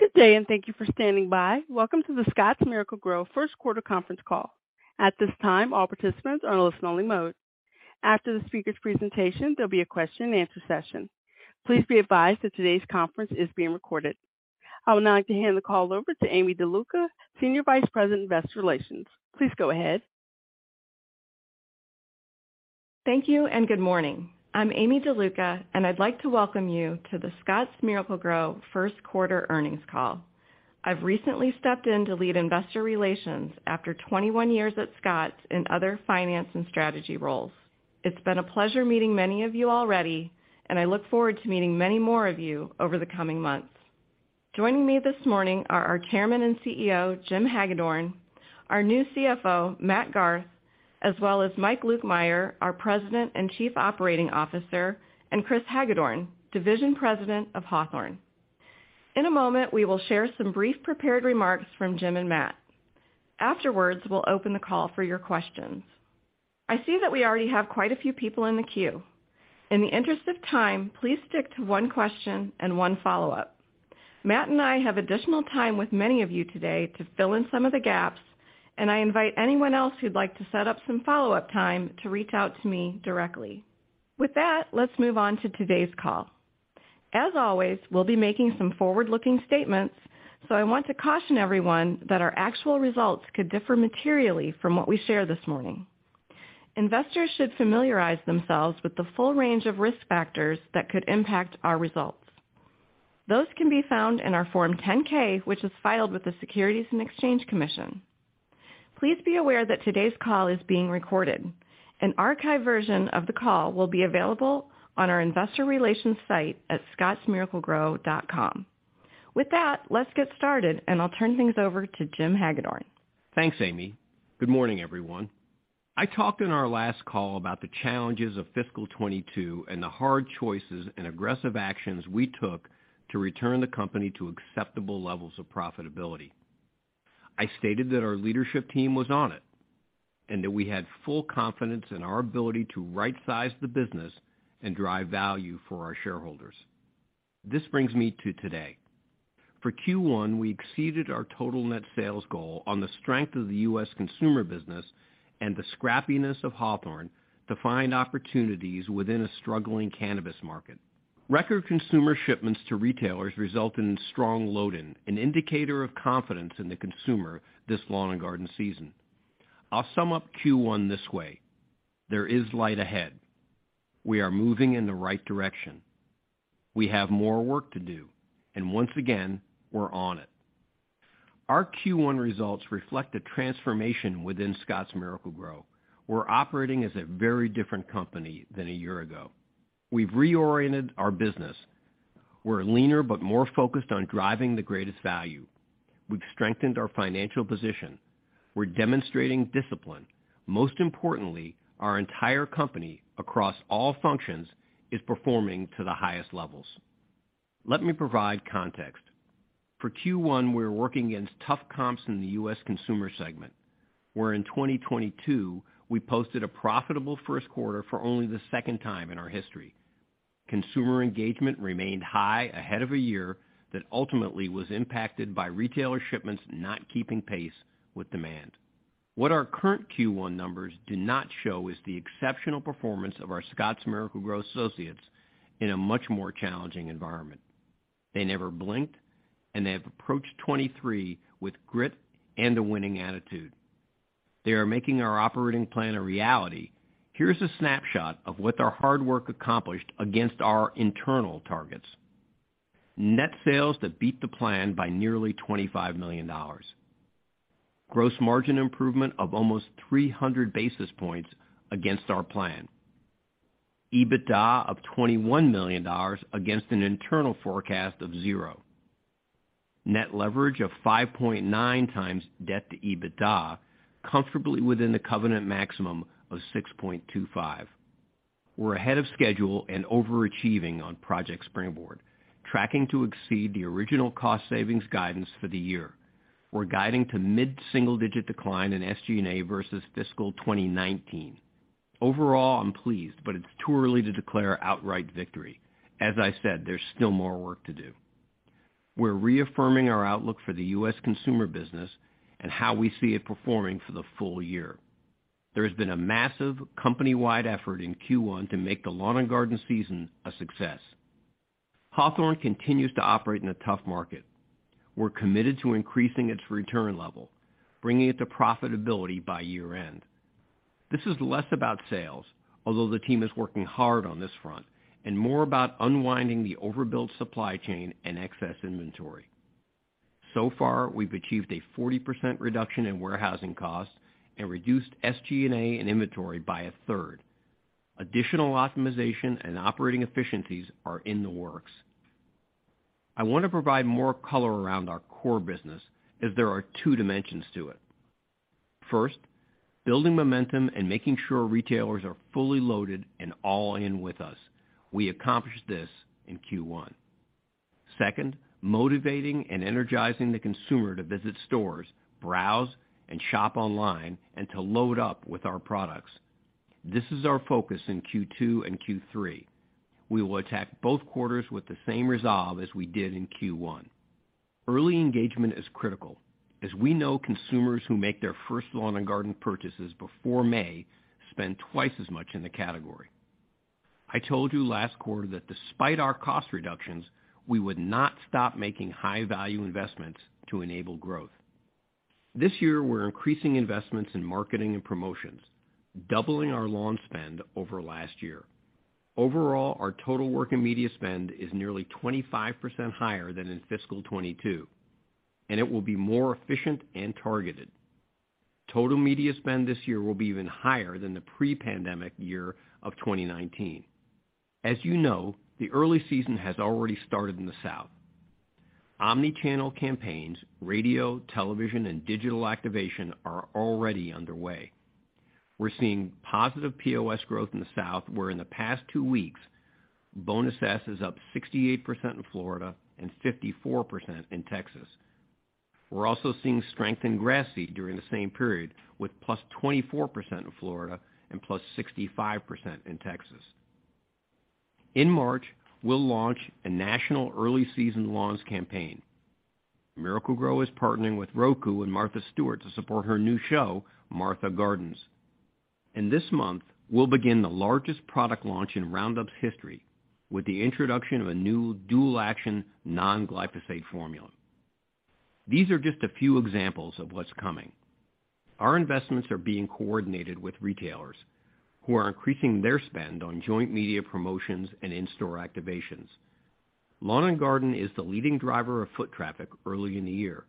Good day, and thank you for standing by. Welcome to the Scotts Miracle-Gro Q1 Conference Call. At this time, all participants are in listen-only mode. After the speaker's presentation, there'll be a question and answer session. Please be advised that today's conference is being recorded. I would now like to hand the call over to Aimee DeLuca, Senior Vice President of Investor Relations. Please go ahead. Thank you. Good morning. I'm Aimee DeLuca. I'd like to welcome you to the Scotts Miracle-Gro Q1 earnings call. I've recently stepped in to lead investor relations after 21 years at Scotts in other finance and strategy roles. It's been a pleasure meeting many of you already. I look forward to meeting many more of you over the coming months. Joining me this morning are our Chairman and CEO, Jim Hagedorn, our new CFO, Matt Garth, as well as Mike Lukemire, our President and Chief Operating Officer, and Chris Hagedorn, Division President of Hawthorne. In a moment, we will share some brief prepared remarks from Jim and Matt. Afterwards, we'll open the call for your questions. I see that we already have quite a few people in the queue. In the interest of time, please stick to 1 question and 1 follow-up. Matt and I have additional time with many of you today to fill in some of the gaps. I invite anyone else who'd like to set up some follow-up time to reach out to me directly. With that, let's move on to today's call. As always, we'll be making some forward-looking statements. I want to caution everyone that our actual results could differ materially from what we share this morning. Investors should familiarize themselves with the full range of risk factors that could impact our results. Those can be found in our Form 10-K, which is filed with the Securities and Exchange Commission. Please be aware that today's call is being recorded. An archived version of the call will be available on our investor relations site at scottsmiraclegrow.com. With that, let's get started. I'll turn things over to Jim Hagedorn. Thanks, Amy. Good morning, everyone. I talked in our last call about the challenges of fiscal 2022 and the hard choices and aggressive actions we took to return the company to acceptable levels of profitability. I stated that our leadership team was on it and that we had full confidence in our ability to right size the business and drive value for our shareholders. This brings me to today. For Q1, we exceeded our total net sales goal on the strength of the U.S. consumer business and the scrappiness of Hawthorne to find opportunities within a struggling cannabis market. Record consumer shipments to retailers result in strong load in, an indicator of confidence in the consumer this lawn and garden season. I'll sum up Q1 this way: There is light ahead. We are moving in the right direction. We have more work to do, once again, we're on it. Our Q1 results reflect a transformation within Scotts Miracle-Gro. We're operating as a very different company than a year ago. We've reoriented our business. We're leaner, but more focused on driving the greatest value. We've strengthened our financial position. We're demonstrating discipline. Most importantly, our entire company, across all functions, is performing to the highest levels. Let me provide context. For Q1, we're working against tough comps in the U.S. consumer segment, where in 2022 we posted a profitable Q1 for only the second time in our history. Consumer engagement remained high ahead of a year that ultimately was impacted by retailer shipments not keeping pace with demand. What our current Q1 numbers do not show is the exceptional performance of our Scotts Miracle-Gro associates in a much more challenging environment. They never blinked, and they have approached 2023 with grit and a winning attitude. They are making our operating plan a reality. Here's a snapshot of what their hard work accomplished against our internal targets. Net sales that beat the plan by nearly $25 million. Gross margin improvement of almost 300 basis points against our plan. EBITDA of $21 million against an internal forecast of zero. Net leverage of 5.9x debt to EBITDA, comfortably within the covenant maximum of 6.25x. We're ahead of schedule and overachieving on Project Springboard, tracking to exceed the original cost savings guidance for the year. We're guiding to mid-single-digit decline in SG&A versus fiscal 2019. Overall, I'm pleased, but it's too early to declare outright victory. As I said, there's still more work to do. We're reaffirming our outlook for the U.S. consumer business and how we see it performing for the full year. There has been a massive company-wide effort in Q1 to make the lawn and garden season a success. Hawthorne continues to operate in a tough market. We're committed to increasing its return level, bringing it to profitability by year end. This is less about sales, although the team is working hard on this front, and more about unwinding the overbuilt supply chain and excess inventory. So far, we've achieved a 40% reduction in warehousing costs and reduced SG&A and inventory by 1/3. Additional optimization and operating efficiencies are in the works. I want to provide more color around our core business, as there are two dimensions to it. First, building momentum and making sure retailers are fully loaded and all in with us. We accomplished this in Q1. Second, motivating and energizing the consumer to visit stores, browse and shop online, and to load up with our products. This is our focus in Q2 and Q3. We will attack both quarters with the same resolve as we did in Q1. Early engagement is critical as we know consumers who make their first lawn and garden purchases before May spend twice as much in the category. I told you last quarter that despite our cost reductions, we would not stop making high value investments to enable growth. This year, we're increasing investments in marketing and promotions, doubling our lawn spend over last year. Overall, our total work in media spend is nearly 25% higher than in fiscal 2022, and it will be more efficient and targeted. Total media spend this year will be even higher than the pre-pandemic year of 2019. As you know, the early season has already started in the South. Omnichannel campaigns, radio, television and digital activation are already underway. We're seeing positive POS growth in the South, where in the past two weeks, Bonus S is up 68% in Florida and 54% in Texas. We're also seeing strength in grass seed during the same period, with +24% in Florida and +65% in Texas. In March, we'll launch a national early season lawns campaign. Miracle-Gro is partnering with Roku and Martha Stewart to support her new show, Martha Gardens. In this month, we'll begin the largest product launch in Roundup's history with the introduction of a new dual-action non-glyphosate formula. These are just a few examples of what's coming. Our investments are being coordinated with retailers who are increasing their spend on joint media promotions and in-store activations. Lawn and Garden is the leading driver of foot traffic early in the year,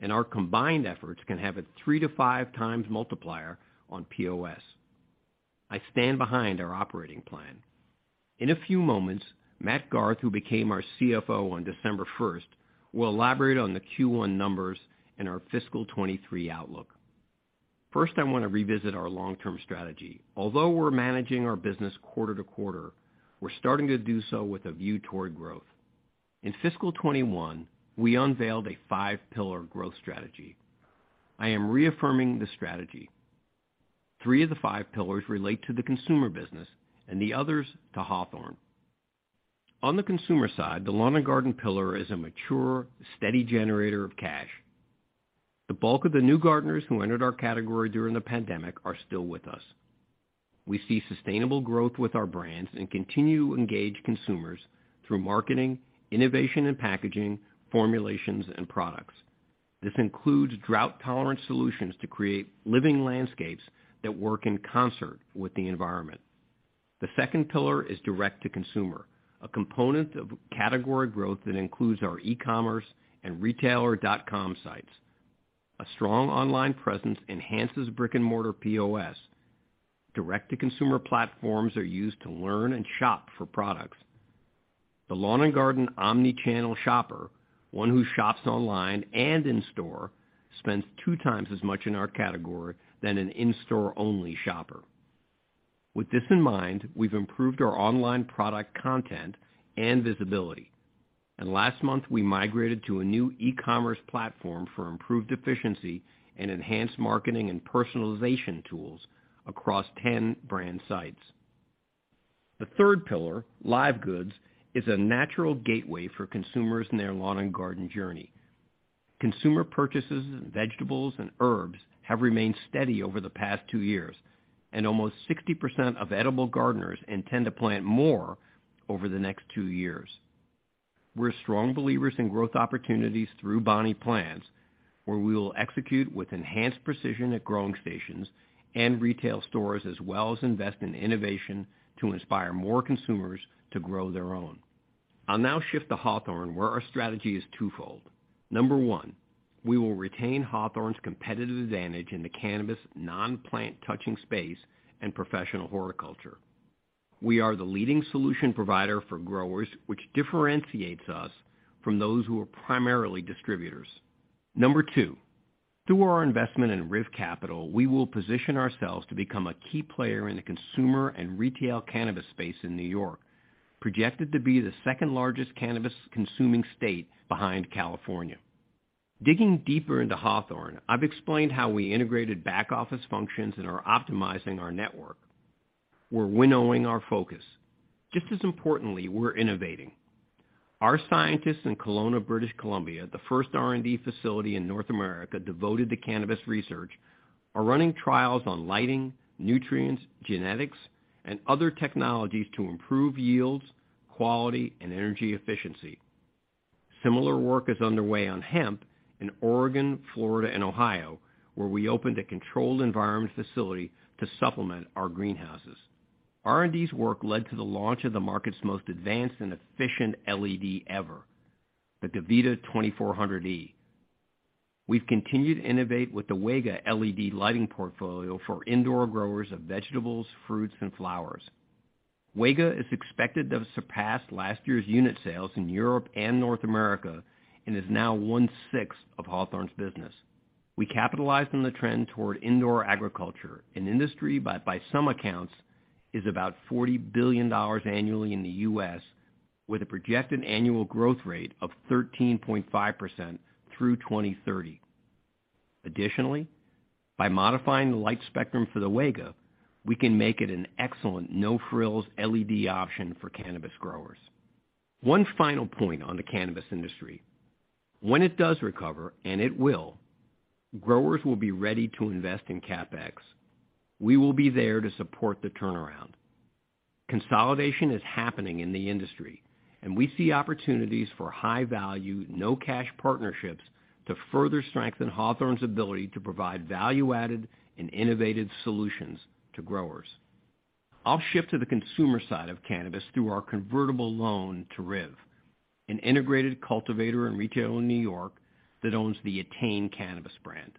and our combined efforts can have a three to five times multiplier on POS. I stand behind our operating plan. In a few moments, Matt Garth, who became our CFO on 1 December 2022, will elaborate on the Q1 numbers and our fiscal 2023 outlook. First, I want to revisit our long-term strategy. Although we're managing our business quarter-to-quarter, we're starting to do so with a view toward growth. In fiscal 2021, we unveiled a five pillar growth strategy. I am reaffirming the strategy. Three of the five pillars relate to the consumer business and the others to Hawthorne. On the consumer side, the Lawn and Garden pillar is a mature, steady generator of cash. The bulk of the new gardeners who entered our category during the pandemic are still with us. We see sustainable growth with our brands and continue to engage consumers through marketing, innovation and packaging, formulations and products. This includes drought tolerant solutions to create living landscapes that work in concert with the environment. The second pillar is direct to consumer, a component of category growth that includes our e-commerce and retailer dot com sites. A strong online presence enhances brick-and-mortar POS. Direct to consumer platforms are used to learn and shop for products. The Lawn and Garden omni-channel shopper, one who shops online and in-store, spends two times as much in our category than an in-store only shopper. With this in mind, we've improved our online product content and visibility, and last month we migrated to a new e-commerce platform for improved efficiency and enhanced marketing and personalization tools across 10 brand sites. The third pillar, Live Goods, is a natural gateway for consumers in their Lawn and Garden journey. Consumer purchases of vegetables and herbs have remained steady over the past two years, and almost 60% of edible gardeners intend to plant more over the next two years. We're strong believers in growth opportunities through Bonnie Plants, where we will execute with enhanced precision at growing stations and retail stores, as well as invest in innovation to inspire more consumers to grow their own. I'll now shift to Hawthorne, where our strategy is twofold. Number one, we will retain Hawthorne's competitive advantage in the cannabis non-plant touching space and professional horticulture. We are the leading solution provider for growers, which differentiates us from those who are primarily distributors. Number two, through our investment in RIV Capital, we will position ourselves to become a key player in the consumer and retail cannabis space in New York, projected to be the second-largest cannabis consuming state behind California. Digging deeper into Hawthorne, I've explained how we integrated back office functions and are optimizing our network. We're winnowing our focus. Just as importantly, we're innovating. Our scientists in Kelowna, British Columbia, the first R&D facility in North America devoted to cannabis research, are running trials on lighting, nutrients, genetics, and other technologies to improve yields, quality, and energy efficiency. Similar work is underway on hemp in Oregon, Florida, and Ohio, where we opened a controlled environment facility to supplement our greenhouses. R&D's work led to the launch of the market's most advanced and efficient LED ever, the Gavita 2400e. We've continued to innovate with the WEGA LED lighting portfolio for indoor growers of vegetables, fruits, and flowers. WEGA is expected to have surpassed last year's unit sales in Europe and North America and is now 1/6 of Hawthorne's business. We capitalized on the trend toward indoor agriculture, an industry by some accounts, is about $40 billion annually in the U.S., with a projected annual growth rate of 13.5% through 2030. Additionally, by modifying the light spectrum for the WEGA, we can make it an excellent no-frills LED option for cannabis growers. One final point on the cannabis industry: when it does recover, and it will, growers will be ready to invest in CapEx. We will be there to support the turnaround. Consolidation is happening in the industry, and we see opportunities for high value, no cash partnerships to further strengthen Hawthorne's ability to provide value-added and innovative solutions to growers. I'll shift to the consumer side of cannabis through our convertible loan to RIV, an integrated cultivator and retailer in New York that owns the Etain Cannabis brand.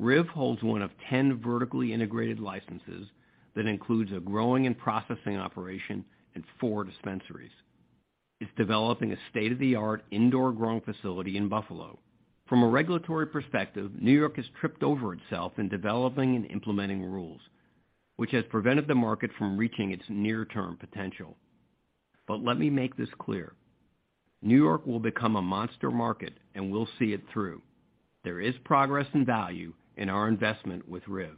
RIV holds one of 10 vertically integrated licenses that includes a growing and processing operation and four dispensaries. It's developing a state-of-the-art indoor growing facility in Buffalo. From a regulatory perspective, New York has tripped over itself in developing and implementing rules, which has prevented the market from reaching its near-term potential. Let me make this clear: New York will become a monster market, and we'll see it through. There is progress and value in our investment with RIV.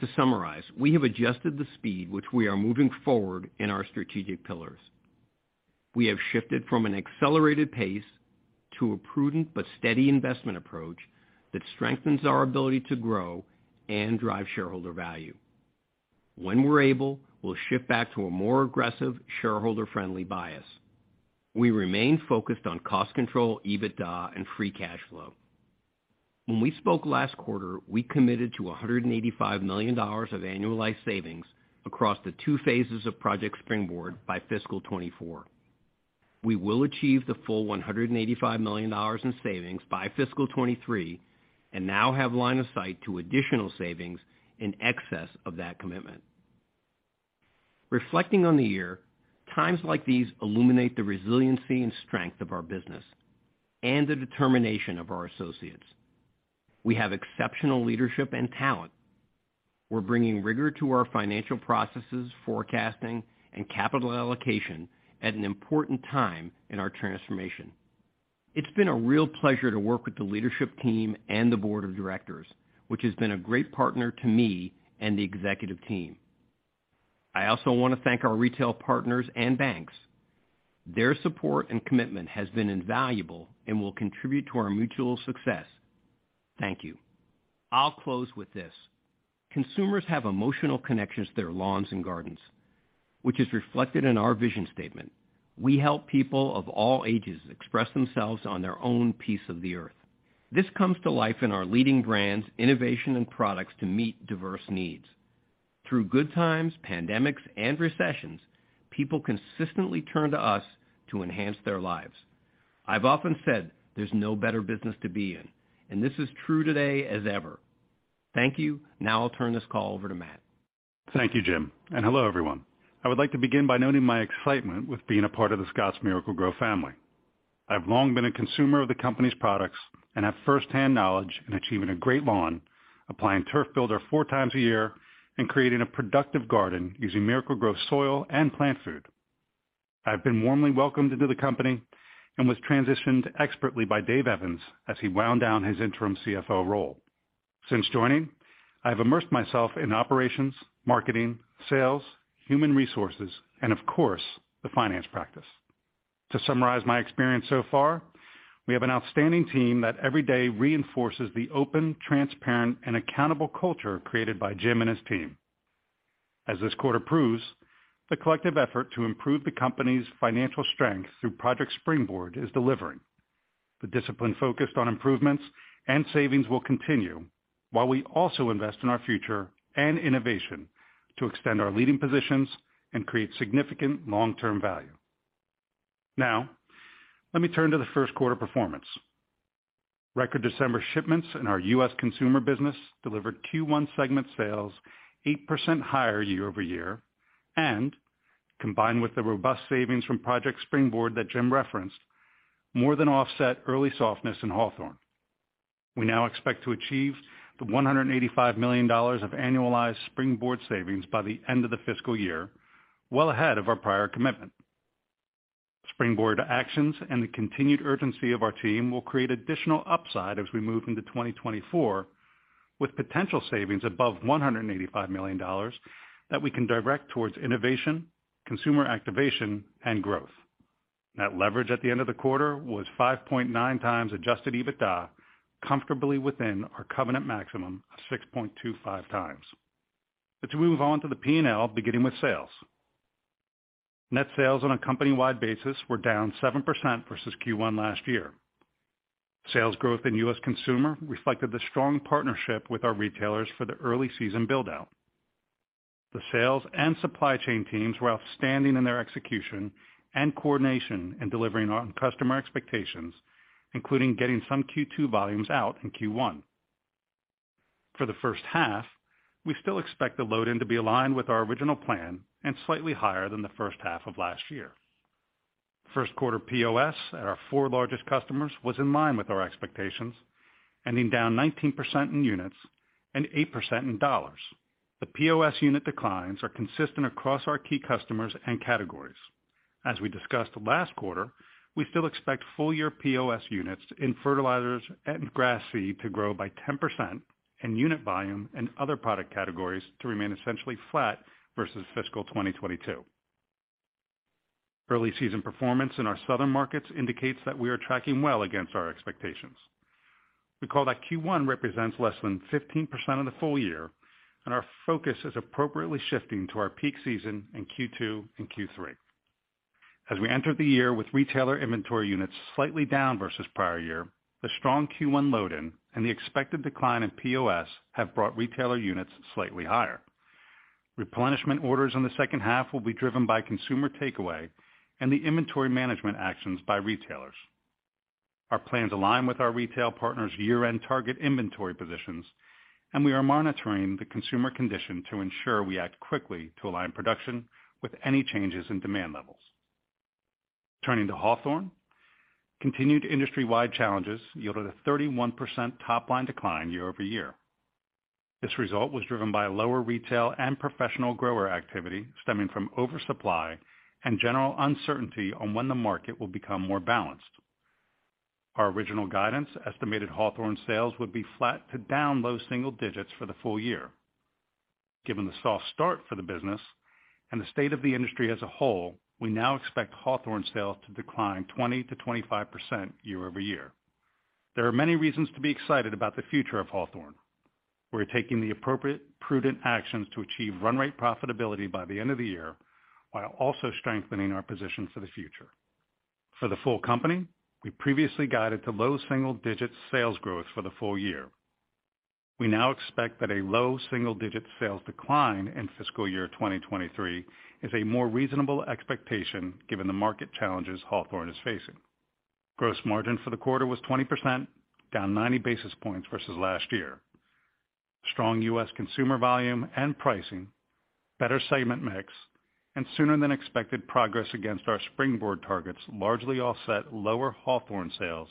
To summarize, we have adjusted the speed which we are moving forward in our strategic pillars. We have shifted from an accelerated pace to a prudent but steady investment approach that strengthens our ability to grow and drive shareholder value. When we're able, we'll shift back to a more aggressive shareholder-friendly bias. We remain focused on cost control, EBITDA, and free cash flow. When we spoke last quarter, we committed to $185 million of annualized savings across the two phases of Project Springboard by fiscal 2024. We will achieve the full $185 million in savings by fiscal 2023 and now have line-of-sight to additional savings in excess of that commitment. Reflecting on the year, times like these illuminate the resiliency and strength of our business and the determination of our associates. We have exceptional leadership and talent. We're bringing rigor to our financial processes, forecasting, and capital allocation at an important time in our transformation. It's been a real pleasure to work with the leadership team and the board of directors, which has been a great partner to me and the executive team. I also want to thank our retail partners and banks. Their support and commitment has been invaluable and will contribute to our mutual success. Thank you. I'll close with this. Consumers have emotional connections to their lawns and gardens, which is reflected in our vision statement. We help people of all ages express themselves on their own piece of the Earth. This comes to life in our leading brands, innovation, and products to meet diverse needs. Through good times, pandemics, and recessions, people consistently turn to us to enhance their lives. I've often said there's no better business to be in. This is true today as ever. Thank you. Now I'll turn this call over to Matt. Thank you, Jim. Hello, everyone. I would like to begin by noting my excitement with being a part of the Scotts Miracle-Gro family. I've long been a consumer of the company's products and have firsthand knowledge in achieving a great lawn, applying Turf Builder four times a year, and creating a productive garden using Miracle-Gro soil and plant food. I've been warmly welcomed into the company and was transitioned expertly by Dave Evans as he wound down his interim CFO role. Since joining, I have immersed myself in operations, marketing, sales, human resources, and of course, the finance practice. To summarize my experience so far, we have an outstanding team that every day reinforces the open, transparent, and accountable culture created by Jim and his team. As this quarter proves, the collective effort to improve the company's financial strength through Project Springboard is delivering. The discipline focused on improvements and savings will continue while we also invest in our future and innovation to extend our leading positions and create significant long-term value. Let me turn to the Q1 performance. Record December shipments in our U.S. consumer business delivered Q1 segment sales 8% higher year-over-year and combined with the robust savings from Project Springboard that Jim referenced more than offset early softness in Hawthorne. We now expect to achieve the $185 million of annualized Springboard savings by the end of the fiscal year, well ahead of our prior commitment. Springboard actions and the continued urgency of our team will create additional upside as we move into 2024 with potential savings above $185 million that we can direct towards innovation, consumer activation, and growth. Net leverage at the end of the quarter was 5.9x Adjusted EBITDA, comfortably within our covenant maximum of 6.25x. Let's move on to the P&L, beginning with sales. Net sales on a company-wide basis were down 7% versus Q1 last year. Sales growth in U.S. consumer reflected the strong partnership with our retailers for the early season build-out. The sales and supply chain teams were outstanding in their execution and coordination in delivering on customer expectations, including getting some Q2 volumes out in Q1. For the first half, we still expect the load-in to be aligned with our original plan and slightly higher than the first half of last year. Q1 POS at our four largest customers was in line with our expectations, ending down 19% in units and 8% in dollars. The POS unit declines are consistent across our key customers and categories. As we discussed last quarter, we still expect full year POS units in fertilizers and grass seed to grow by 10% and unit volume and other product categories to remain essentially flat versus fiscal 2022. Early season performance in our southern markets indicates that we are tracking well against our expectations. Recall that Q1 represents less than 15% of the full year, and our focus is appropriately shifting to our peak season in Q2 and Q3. As we entered the year with retailer inventory units slightly down versus prior year, the strong Q1 load in and the expected decline in POS have brought retailer units slightly higher. Replenishment orders in the second half will be driven by consumer takeaway and the inventory management actions by retailers. Our plans align with our retail partners' year-end target inventory positions, and we are monitoring the consumer condition to ensure we act quickly to align production with any changes in demand levels. Turning to Hawthorne. Continued industry-wide challenges yielded a 31% top-line decline year-over-year. This result was driven by lower retail and professional grower activity stemming from oversupply and general uncertainty on when the market will become more balanced. Our original guidance estimated Hawthorne sales would be flat to down low single-digits for the full year. Given the soft start for the business and the state of the industry as a whole, we now expect Hawthorne sales to decline 20%-25% year-over-year. There are many reasons to be excited about the future of Hawthorne. We're taking the appropriate prudent actions to achieve run rate profitability by the end of the year, while also strengthening our position for the future. For the full company, we previously guided to low single-digit sales growth for the full year. We now expect that a low single-digit sales decline in fiscal year 2023 is a more reasonable expectation given the market challenges Hawthorne is facing. Gross margin for the quarter was 20%, down 90 basis points versus last year. Strong U.S. consumer volume and pricing, better segment mix, and sooner than expected progress against our Springboard targets largely offset lower Hawthorne sales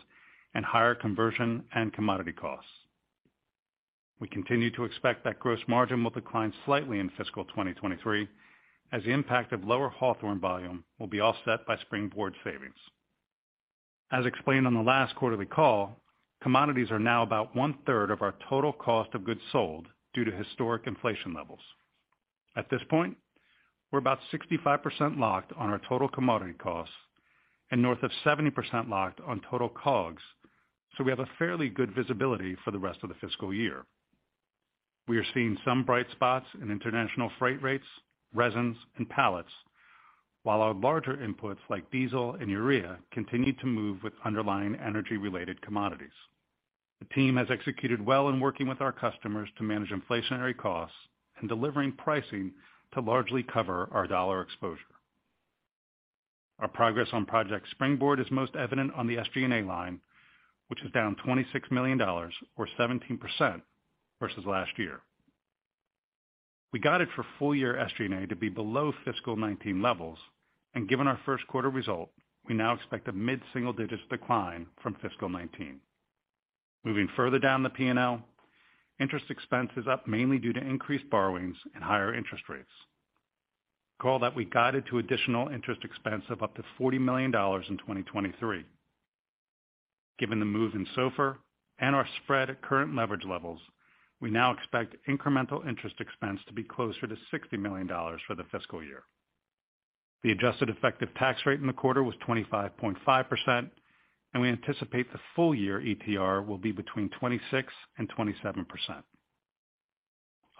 and higher conversion and commodity costs. We continue to expect that gross margin will decline slightly in fiscal 2023 as the impact of lower Hawthorne volume will be offset by Springboard savings. As explained on the last quarterly call, commodities are now about 1/3 of our total cost of goods sold due to historic inflation levels. At this point, we're about 65% locked on our total commodity costs and north of 70% locked on total COGS. We have a fairly good visibility for the rest of the fiscal year. We are seeing some bright spots in international freight rates, resins, and pallets while our larger inputs like diesel and urea continue to move with underlying energy-related commodities. The team has executed well in working with our customers to manage inflationary costs and delivering pricing to largely cover our dollar exposure. Our progress on Project Springboard is most evident on the SG&A line, which is down $26 million or 17% versus last year. We got it for full year SG&A to be below fiscal 2019 levels. Given our Q1 result, we now expect a mid-single digits decline from fiscal 2019. Moving further down the P&L, interest expense is up mainly due to increased borrowings and higher interest rates. Recall that we guided to additional interest expense of up to $40 million in 2023. Given the move in SOFR and our spread at current leverage levels, we now expect incremental interest expense to be closer to $60 million for the fiscal year. The adjusted effective tax rate in the quarter was 25.5%. We anticipate the full year ETR will be between 26% and 27%.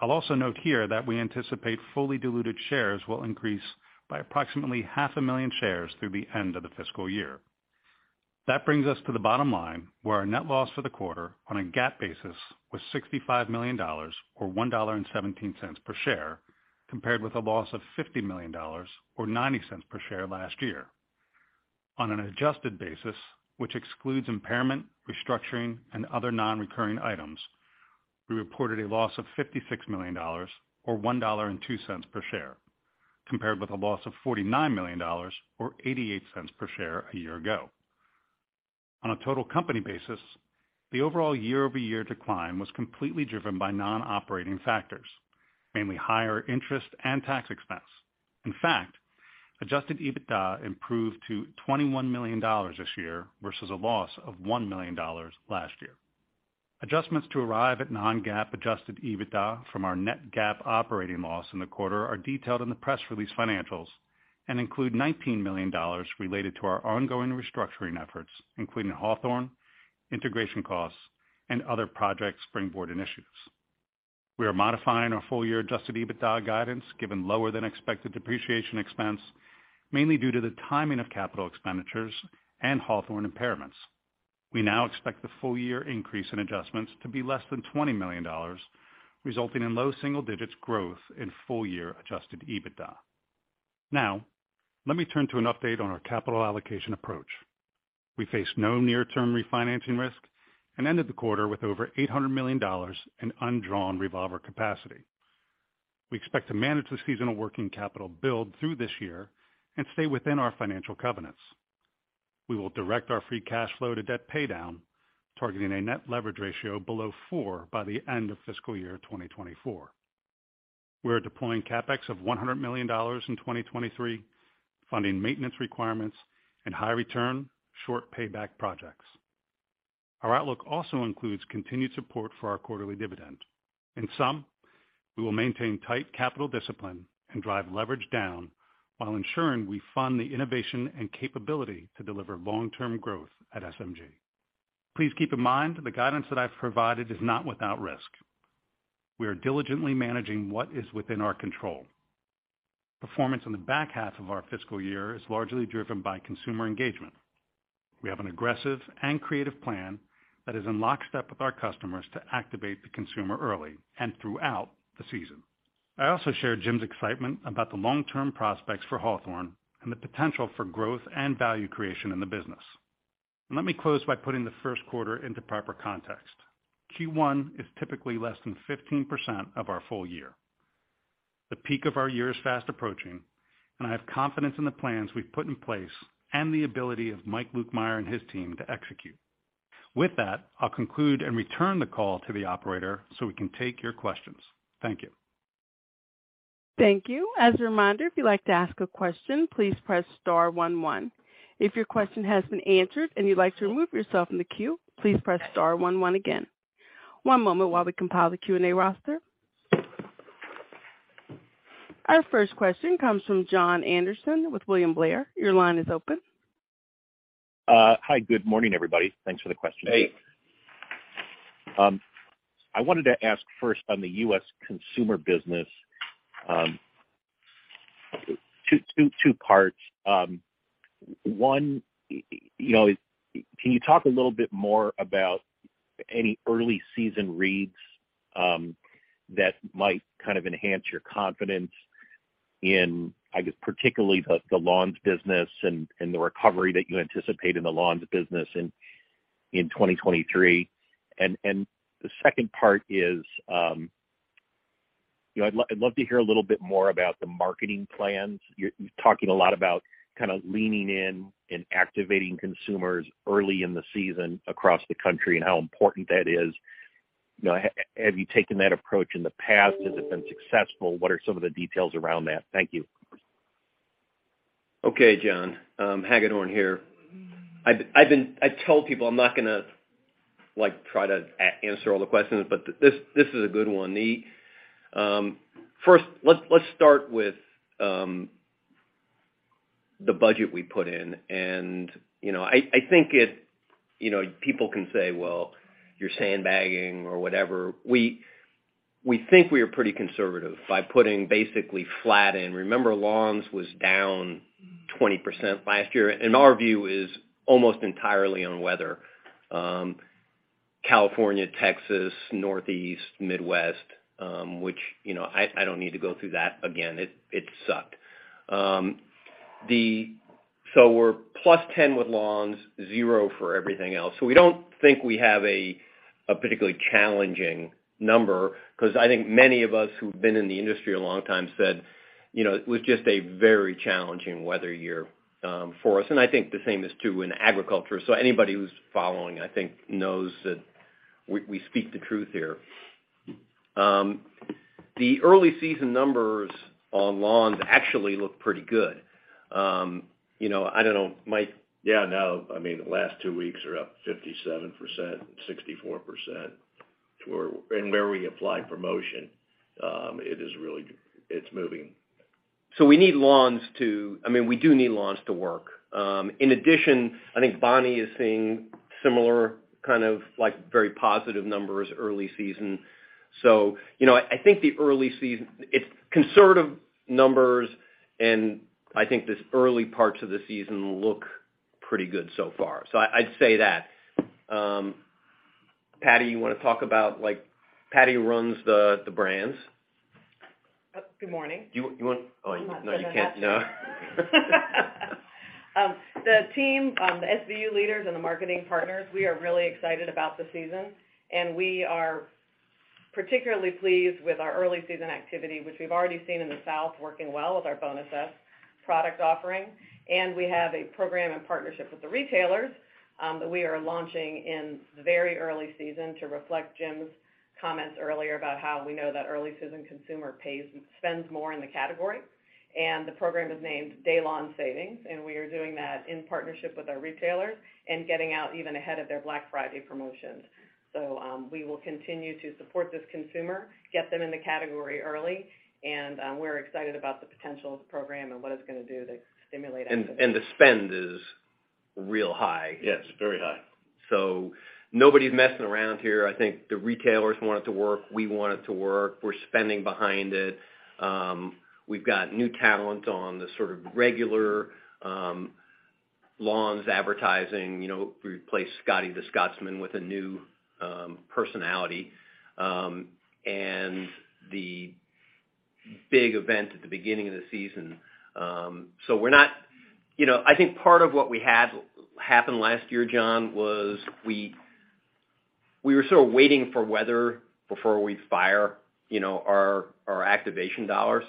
I'll also note here that we anticipate fully diluted shares will increase by approximately half a million shares through the end of the fiscal year. That brings us to the bottom line, where our net loss for the quarter on a GAAP basis was $65 million or $1.17 per share, compared with a loss of $50 million or $0.90 per share last year. On an adjusted basis, which excludes impairment, restructuring, and other non-recurring items, we reported a loss of $56 million or $1.02 per share, compared with a loss of $49 million or $0.88 per share a year ago. On a total company basis, the overall year-over-year decline was completely driven by non-operating factors, mainly higher interest and tax expense. In fact, Adjusted EBITDA improved to $21 million this year versus a loss of $1 million last year. Adjustments to arrive at non-GAAP Adjusted EBITDA from our net GAAP operating loss in the quarter are detailed in the press release financials and include $19 million related to our ongoing restructuring efforts, including Hawthorne, integration costs, and other Project Springboard initiatives. We are modifying our full year Adjusted EBITDA guidance given lower than expected depreciation expense, mainly due to the timing of capital expenditures and Hawthorne impairments. We now expect the full year increase in adjustments to be less than $20 million, resulting in low single-digits growth in full year Adjusted EBITDA. Let me turn to an update on our capital allocation approach. We face no near-term refinancing risk and ended the quarter with over $800 million in undrawn revolver capacity. We expect to manage the seasonal working capital build through this year and stay within our financial covenants. We will direct our free cash flow to debt pay down, targeting a net leverage ratio below four by the end of fiscal year 2024. We're deploying CapEx of $100 million in 2023, funding maintenance requirements and high return, short payback projects. Our outlook also includes continued support for our quarterly dividend. In sum, we will maintain tight capital discipline and drive leverage down while ensuring we fund the innovation and capability to deliver long-term growth at SMG. Please keep in mind the guidance that I've provided is not without risk. We are diligently managing what is within our control. Performance in the back half of our fiscal year is largely driven by consumer engagement. We have an aggressive and creative plan that is in lockstep with our customers to activate the consumer early and throughout the season. I also share Jim's excitement about the long-term prospects for Hawthorne and the potential for growth and value creation in the business. Let me close by putting the Q1 into proper context. Q1 is typically less than 15% of our full year. The peak of our year is fast approaching, and I have confidence in the plans we've put in place and the ability of Mike Lukemire and his team to execute. With that, I'll conclude and return the call to the operator so we can take your questions. Thank you. Thank you. As a reminder, if you'd like to ask a question, please press star one one. If your question has been answered and you'd like to remove yourself from the queue, please press star one one again. One moment while we compile the Q&A roster. Our first question comes from Jon Andersen with William Blair. Your line is open. Hi, good morning, everybody. Thanks for the question. Hey. I wanted to ask first on the U.S. consumer business, two, two parts. One, you know, can you talk a little bit more about any early season reads that might kind of enhance your confidence in, I guess, particularly the lawns business and the recovery that you anticipate in the lawns business in 2023? The second part is, you know, I'd love to hear a little bit more about the marketing plans. You're talking a lot about kind of leaning in and activating consumers early in the season across the country and how important that is. You know, have you taken that approach in the past? Has it been successful? What are some of the details around that? Thank you. Okay, Jon. Hagedorn here. I've told people I'm not gonna, like, try to answer all the questions, this is a good one. First, let's start with the budget we put in. You know, I think it, you know, people can say, well, you're sandbagging or whatever. We think we are pretty conservative by putting basically flat in. Remember, lawns was down 20% last year, our view is almost entirely on weather. California, Texas, Northeast, Midwest, which, you know, I don't need to go through that again. It sucked. We're +10 with lawns, 0 for everything else. We don't think we have a particularly challenging number because I think many of us who've been in the industry a long time said, you know, it was just a very challenging weather year for us. I think the same is true in agriculture. Anybody who's following, I think, knows that we speak the truth here. The early season numbers on lawns actually look pretty good. You know, I don't know, Mike? Yeah, no. I mean, the last two weeks are up 57%, 64% and where we applied promotion, it's moving. We need lawns to, I mean, we do need lawns to work. In addition, I think Bonnie is seeing similar kind of like very positive numbers early season. You know, I think the early season, It's conservative numbers, and I think these early parts of the season look pretty good so far. I'd say that. Patti, you wanna talk about, like, Patti runs the brands. Good morning. You want, oh, no, you can't. No. The team, the SBU leaders and the marketing partners, we are really excited about the season, and we are particularly pleased with our early season activity, which we've already seen in the south working well with our Bonus S product offering. We have a program and partnership with the retailers, that we are launching in very early season to reflect Jim's comments earlier about how we know that early season consumer spends more in the category. The program is named DayLawn Savings, and we are doing that in partnership with our retailers and getting out even ahead of their Black Friday promotions. We will continue to support this consumer, get them in the category early, and, we're excited about the potential of the program and what it's gonna do to stimulate activity. The spend is real high. Yes, very high. Nobody's messing around here. I think the retailers want it to work. We want it to work. We're spending behind it. We've got new talent on the sort of regular lawns advertising. You know, we replaced Scotty the Scotsman with a new personality and the big event at the beginning of the season. We're not. You know, I think part of what we had happen last year, Jon, was we We were sort of waiting for weather before we fire, you know, our activation dollars.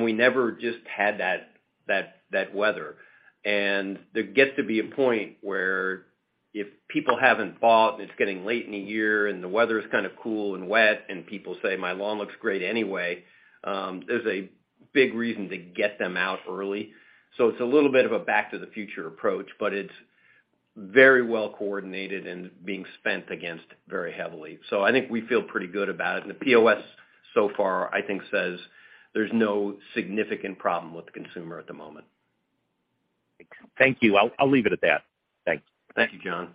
We never just had that weather. There gets to be a point where if people haven't bought and it's getting late in the year and the weather is kind of cool and wet, and people say, "My lawn looks great anyway," there's a big reason to get them out early. It's a little bit of a back to the future approach, but it's very well coordinated and being spent against very heavily. I think we feel pretty good about it. The POS so far, I think, says there's no significant problem with the consumer at the moment. Thank you. I'll leave it at that. Thanks. Thank you, John.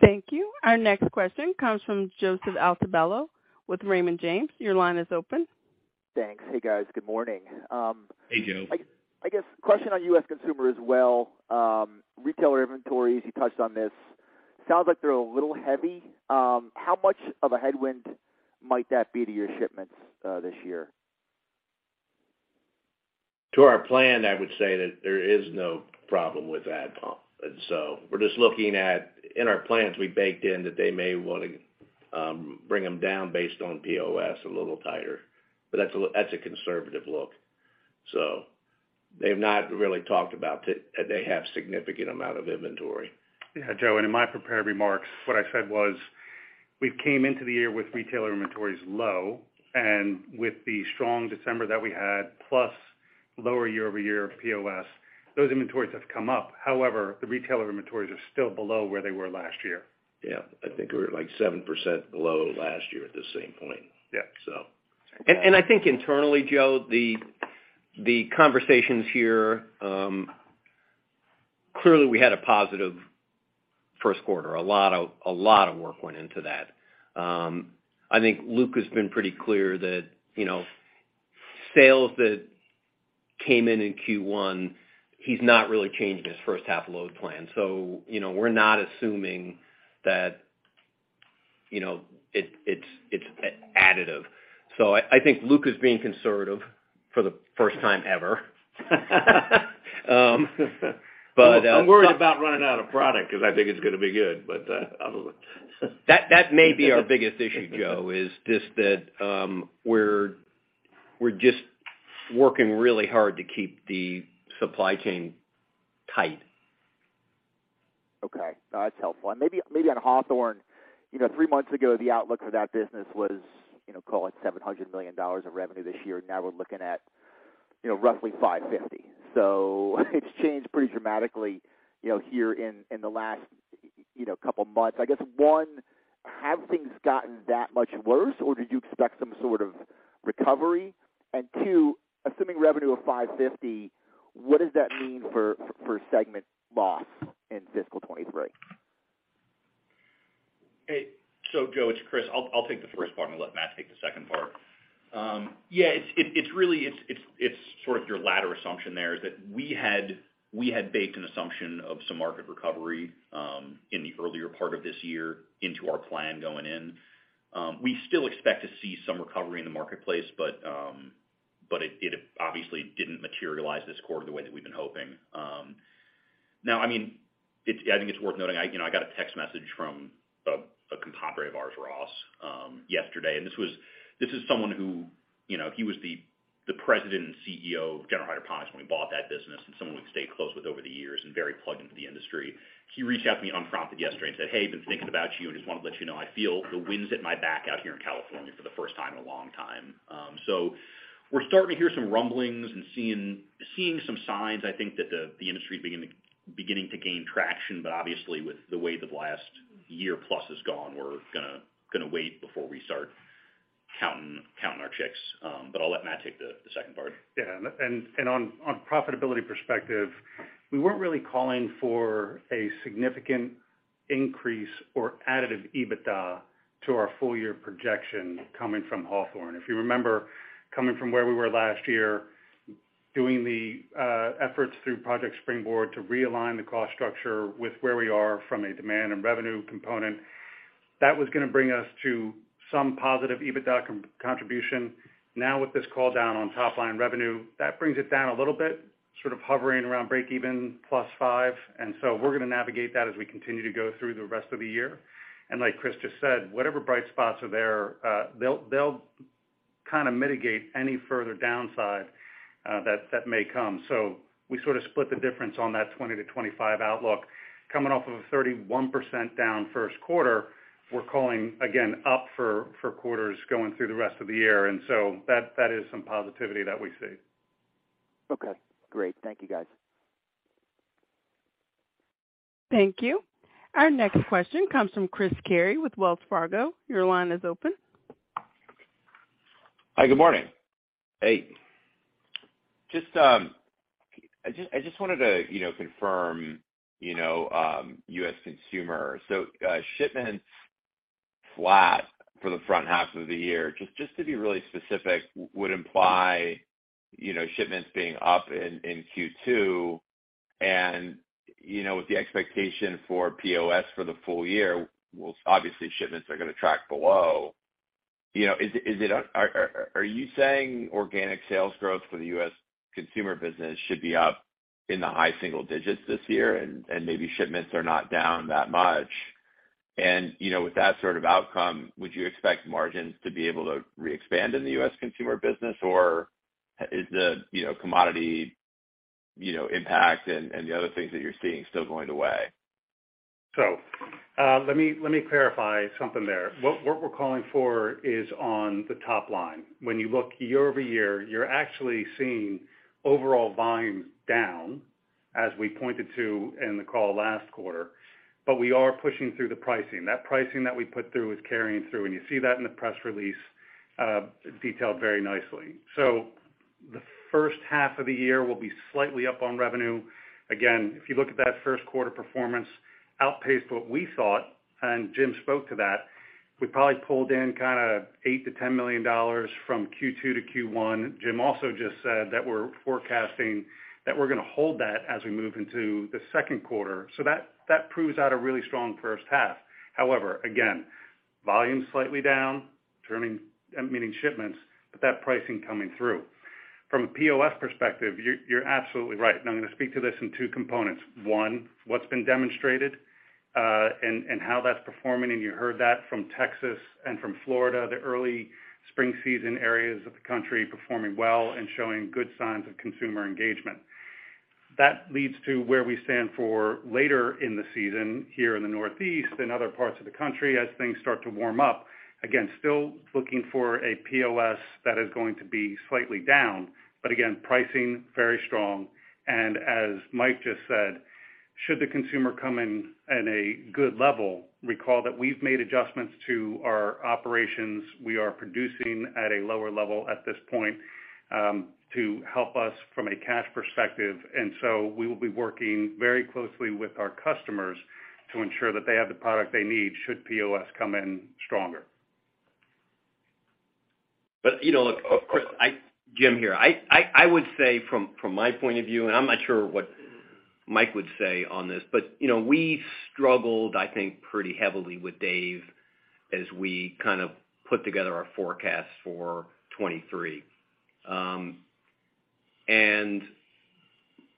Thank you. Our next question comes from Joseph Altobello with Raymond James. Your line is open. Thanks. Hey, guys. Good morning. Hey, Joe. I guess question on U.S. consumer as well. Retailer inventories, you touched on this. Sounds like they're a little heavy. How much of a headwind might that be to your shipments this year? To our plan, I would say that there is no problem with that part. We're just looking at. In our plans, we baked in that they may wanna bring them down based on POS a little tighter, but that's a conservative look. They've not really talked about it, that they have significant amount of inventory. Yeah, Joe, in my prepared remarks, what I said was, we've came into the year with retailer inventories low and with the strong December that we had, plus lower year-over-year POS, those inventories have come up. However, the retailer inventories are still below where they were last year. Yeah. I think we were, like, 7% below last year at the same point. Yeah. I think internally, Joe, the conversations here, clearly, we had a positive Q1. A lot of work went into that. I think Luke has been pretty clear that, you know, sales that came in in Q1, he's not really changed his first half load plan. You know, we're not assuming that, you know, it's additive. I think Luke is being conservative for the first time ever. I'm worried about running out of product because I think it's gonna be good. I don't know. That may be our biggest issue, Joe, is just that we're just working really hard to keep the supply chain tight. Okay. That's helpful. Maybe, maybe on Hawthorne, you know, three months ago, the outlook for that business was, you know, call it $700 million of revenue this year. Now we're looking at, you know, roughly $550. It's changed pretty dramatically, you know, here in the last, you know, couple of months. I guess, one, have things gotten that much worse, or did you expect some sort of recovery? Two, assuming revenue of $550, what does that mean for segment loss in fiscal 2023? Hey. Joe, it's Chris. I'll take the first part and let Matt take the second part. Yeah, it's really, it's sort of your latter assumption there is that we had baked an assumption of some market recovery in the earlier part of this year into our plan going in. We still expect to see some recovery in the marketplace, but it obviously didn't materialize this quarter the way that we've been hoping. Now, I mean, I think it's worth noting. I, you know, I got a text message from a contemporary of ours, Ross, yesterday. This is someone who, you know, he was the president and CEO of General Hydroponics when we bought that business and someone we've stayed close with over the years and very plugged into the industry. He reached out to me unprompted yesterday and said, "Hey, I've been thinking about you and just want to let you know I feel the wind's at my back out here in California for the first time in a long time." We're starting to hear some rumblings and seeing some signs, I think that the industry beginning to gain traction. Obviously, with the way the last year plus has gone, we're gonna wait before we start counting our chicks. I'll let Matt take the second part. Yeah. On profitability perspective, we weren't really calling for a significant increase or additive EBITDA to our full year projection coming from Hawthorne. If you remember, coming from where we were last year, doing the efforts through Project Springboard to realign the cost structure with where we are from a demand and revenue component, that was gonna bring us to some positive EBITDA contribution. Now, with this call down on top line revenue, that brings it down a little bit, sort of hovering around break even plus five. So we're gonna navigate that as we continue to go through the rest of the year. Like Chris just said, whatever bright spots are there, they'll kind of mitigate any further downside that may come. We sort of split the difference on that 20%-25% outlook. Coming off of a 31% down Q1, we're calling again up for quarters going through the rest of the year. That is some positivity that we see. Okay, great. Thank you, guys. Thank you. Our next question comes from Chris Carey with Wells Fargo. Your line is open. Hi, good morning. Hey. Just, I just wanted to, you know, confirm, you know, U.S. consumer. Shipments flat for the front half of the year, just to be really specific, would imply, you know, shipments being up in Q2. With the expectation for POS for the full year, well, obviously, shipments are gonna track below. You know, is it are you saying organic sales growth for the U.S. consumer business should be up in the high single-digits this year and maybe shipments are not down that much? With that sort of outcome, would you expect margins to be able to re-expand in the U.S. consumer business, or is the, you know, commodity, you know, impact and the other things that you're seeing still going away? Let me clarify something there. What we're calling for is on the top line. When you look year-over-year, you're actually seeing overall volumes down, as we pointed to in the call last quarter, but we are pushing through the pricing. That pricing that we put through is carrying through, and you see that in the press release detailed very nicely. The first half of the year will be slightly up on revenue. Again, if you look at that Q1 performance, outpaced what we thought, and Jim spoke to that. We probably pulled in kinda $8 million-$10 million from Q2 to Q1. Jim also just said that we're forecasting that we're gonna hold that as we move into the Q2. That proves out a really strong first half. Again, volume's slightly down, meaning shipments, but that pricing coming through. From a POS perspective, you're absolutely right, and I'm gonna speak to this in two components. One, what's been demonstrated and how that's performing, and you heard that from Texas and from Florida, the early spring season areas of the country performing well and showing good signs of consumer engagement. That leads to where we stand for later in the season here in the Northeast and other parts of the country as things start to warm up. Again, still looking for a POS that is going to be slightly down. Again, pricing, very strong. As Mike just said, should the consumer come in at a good level, recall that we've made adjustments to our operations. We are producing at a lower level at this point, to help us from a cash perspective. We will be working very closely with our customers to ensure that they have the product they need should POS come in stronger. You know, look, of course, Jim here. I would say from my point of view, I'm not sure what Mike would say on this, you know, we struggled, I think, pretty heavily with Dave as we kind of put together our forecast for 2023.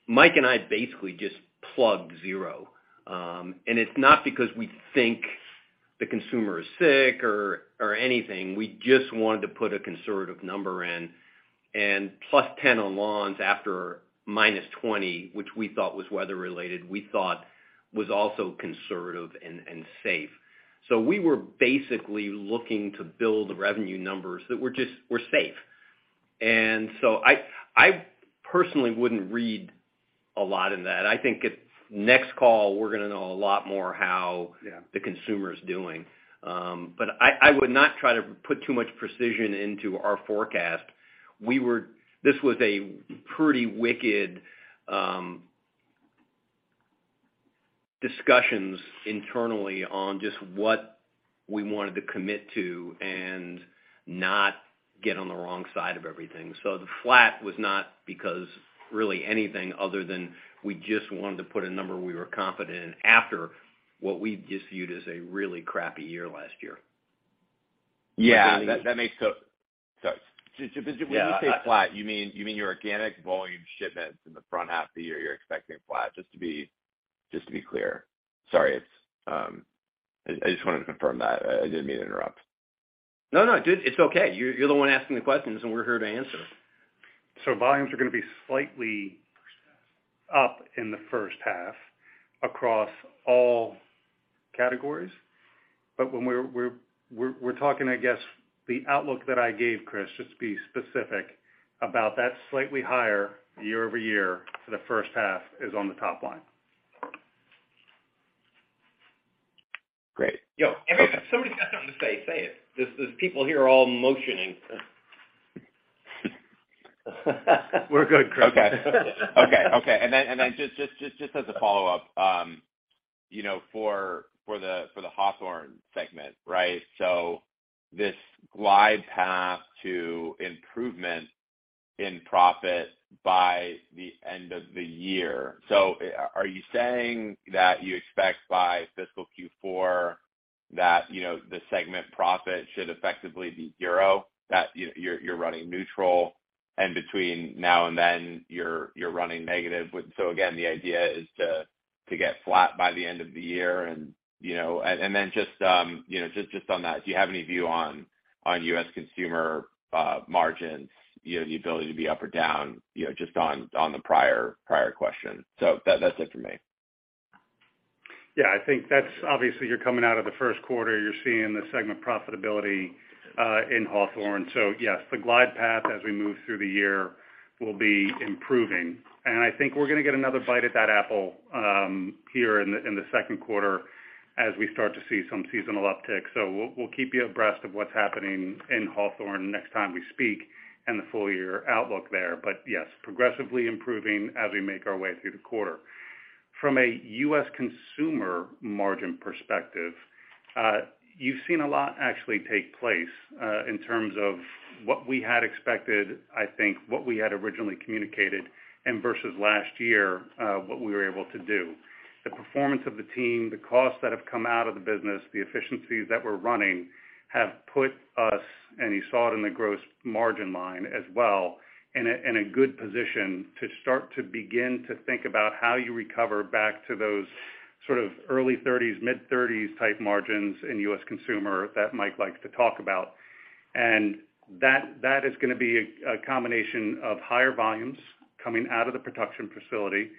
Mike and I basically just plugged zero. It's not because we think the consumer is sick or anything. We just wanted to put a conservative number in, +10 on lawns after -20, which we thought was weather-related, we thought was also conservative and safe. We were basically looking to build revenue numbers that were safe. I personally wouldn't read a lot in that. I think at next call, we're gonna know a lot more how the consumer's doing. I would not try to put too much precision into our forecast. This was a pretty wicked discussions internally on just what we wanted to commit to and not get on the wrong side of everything. The flat was not because really anything other than we just wanted to put a number we were confident in after what we just viewed as a really crappy year last year. Yeah, that makes sorry. When you say flat, you mean your organic volume shipments in the front half of the year, you're expecting flat, just to be clear. Sorry. It's, I just wanted to confirm that. I didn't mean to interrupt. No, no. Dude, it's okay. You're the one asking the questions, and we're here to answer. Volumes are gonna be slightly up in the first half across all categories. When we're talking, I guess, the outlook that I gave, Chris, just to be specific about that slightly higher year-over-year for the first half is on the top line. Great. Yo, if somebody's got something to say it. Just, 'cause people here are all motioning. We're good. Okay. Okay. Then just as a follow-up, you know, for the Hawthorne segment, right? This glide path to improvement in profit by the end of the year? Are you saying that you expect by fiscal Q4 that, you know, the segment profit should effectively be zero? That you're running neutral, and between now and then, you're running negative with, again, the idea is to get flat by the end of the year and, you know, then just, you know, on that, do you have any view on U.S. consumer margins, you know, the ability to be up or down, you know, just on the prior question? That's it for me. Yeah, I think that's obviously, you're coming out of the Q1, you're seeing the segment profitability in Hawthorne. Yes, the glide path as we move through the year will be improving. I think we're gonna get another bite at that apple here in the Q2 as we start to see some seasonal uptick. We'll keep you abreast of what's happening in Hawthorne next time we speak and the full year outlook there. Yes, progressively improving as we make our way through the quarter. From a U.S. consumer margin perspective, you've seen a lot actually take place in terms of what we had expected, I think what we had originally communicated, versus last year, what we were able to do. The performance of the team, the costs that have come out of the business, the efficiencies that we're running have put us, and you saw it in the gross margin line as well, in a good position to start to begin to think about how you recover back to those sort of early 30s, mid-30s type margins in U.S. Consumer that Mike likes to talk about. That is gonna be a combination of higher volumes coming out of the production facility.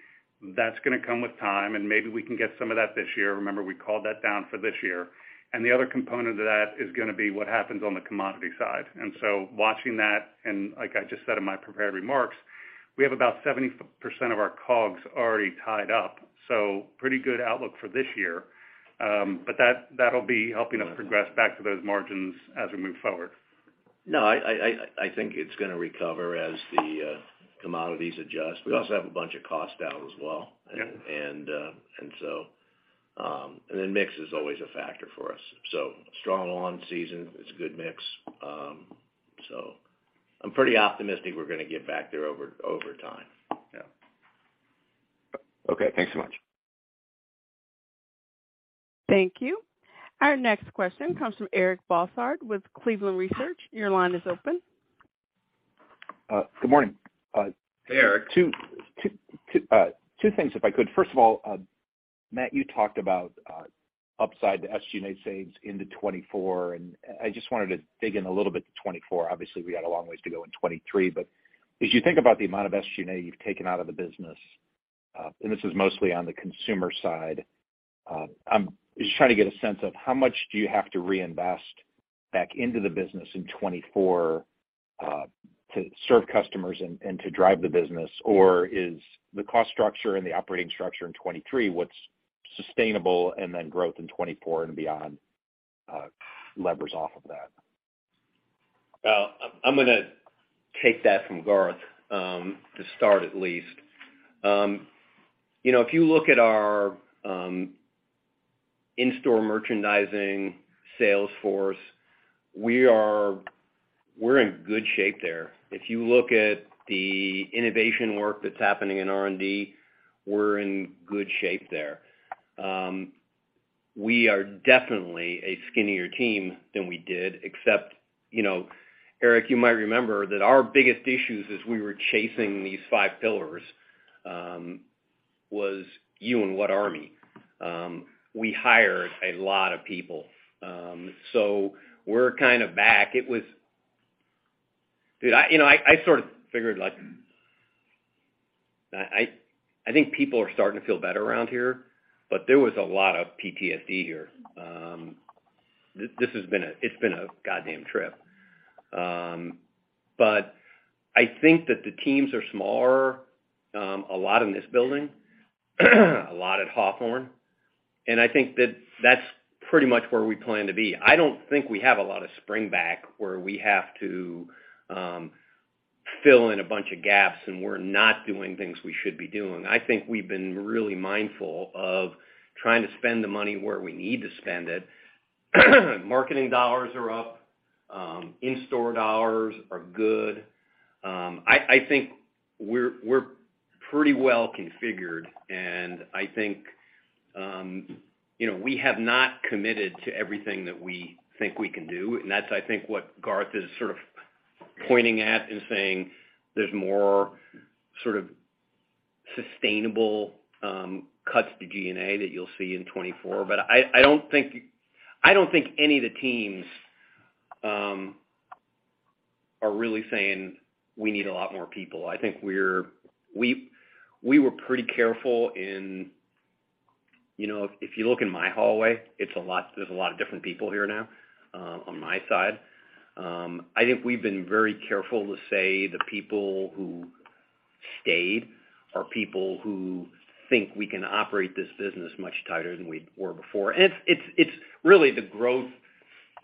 That's gonna come with time, and maybe we can get some of that this year. Remember, we called that down for this year. The other component of that is gonna be what happens on the commodity side. Watching that, and like I just said in my prepared remarks, we have about 70% of our COGS already tied up, so pretty good outlook for this year. That'll be helping us progress back to those margins as we move forward. No, I think it's gonna recover as the commodities adjust. We also have a bunch of costs down as well. Yeah. Then mix is always a factor for us. Strong on season, it's a good mix. I'm pretty optimistic we're gonna get back there over time. Yeah. Okay, thanks so much. Thank you. Our next question comes from Eric Bosshard with Cleveland Research. Your line is open. Good morning. Hey, Eric. Two things, if I could. First of all, Matt, you talked about upside to SG&A saves into 2024. I just wanted to dig in a little bit to 2024. Obviously, we got a long ways to go in 2023. As you think about the amount of SG&A you've taken out of the business, and this is mostly on the consumer side, I'm just trying to get a sense of how much do you have to reinvest back into the business in 2024, to serve customers and to drive the business? Is the cost structure and the operating structure in 2023, what's sustainable and then growth in 2024 and beyond, levers off of that? Well, I'm gonna take that from Garth to start at least. You know, if you look at our in-store merchandising sales force, we're in good shape there. If you look at the innovation work that's happening in R&D, we're in good shape there. We are definitely a skinnier team than we did, except, you know, Eric, you might remember that our biggest issues as we were chasing these five pillars was you and what army. We hired a lot of people, so we're kind of back. It was, dude, I, you know, I sort of figured, like, I think people are starting to feel better around here, but there was a lot of PTSD here. This has been a goddamn trip. I think that the teams are smaller, a lot in this building, a lot at Hawthorne, and I think that that's pretty much where we plan to be. I don't think we have a lot of spring back where we have to fill in a bunch of gaps and we're not doing things we should be doing. I think we've been really mindful of trying to spend the money where we need to spend it. Marketing dollars are up. In-store dollars are good. I think we're pretty well configured, and I think, you know, we have not committed to everything that we think we can do. That's, I think, what Garth is sort of pointing at and saying there's more sort of sustainable, cuts to G&A that you'll see in 2024. I don't think, I don't think any of the teams are really saying we need a lot more people. I think we were pretty careful in. You know, if you look in my hallway, there's a lot of different people here now on my side. I think we've been very careful to say the people who stayed are people who think we can operate this business much tighter than we were before. It's, it's really the growth.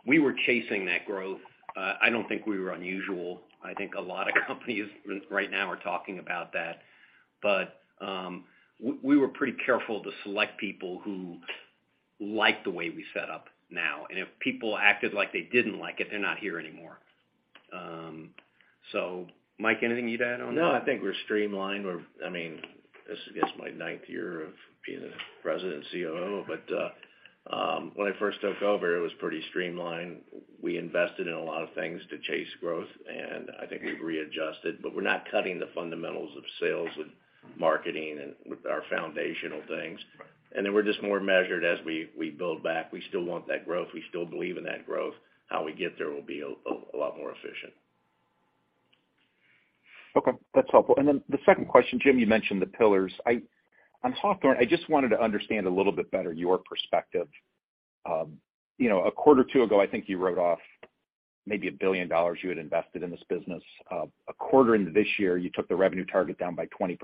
We were chasing that growth. I don't think we were unusual. I think a lot of companies right now are talking about that. We were pretty careful to select people who like the way we set up now. If people acted like they didn't like it, they're not here anymore. Mike, anything you'd add on that? No, I think we're streamlined. I mean, this, I guess my nineth year of being a president and COO. When I first took over, it was pretty streamlined. We invested in a lot of things to chase growth, and I think we've readjusted, but we're not cutting the fundamentals of sales and marketing and our foundational things. We're just more measured as we build back. We still want that growth. We still believe in that growth. How we get there will be a lot more efficient. Okay, that's helpful. The second question, Jim, you mentioned the pillars. On Hawthorne, I just wanted to understand a little bit better your perspective. You know, a quarter or two ago, I think you wrote off maybe $1 billion you had invested in this business. A quarter into this year, you took the revenue target down by 20%.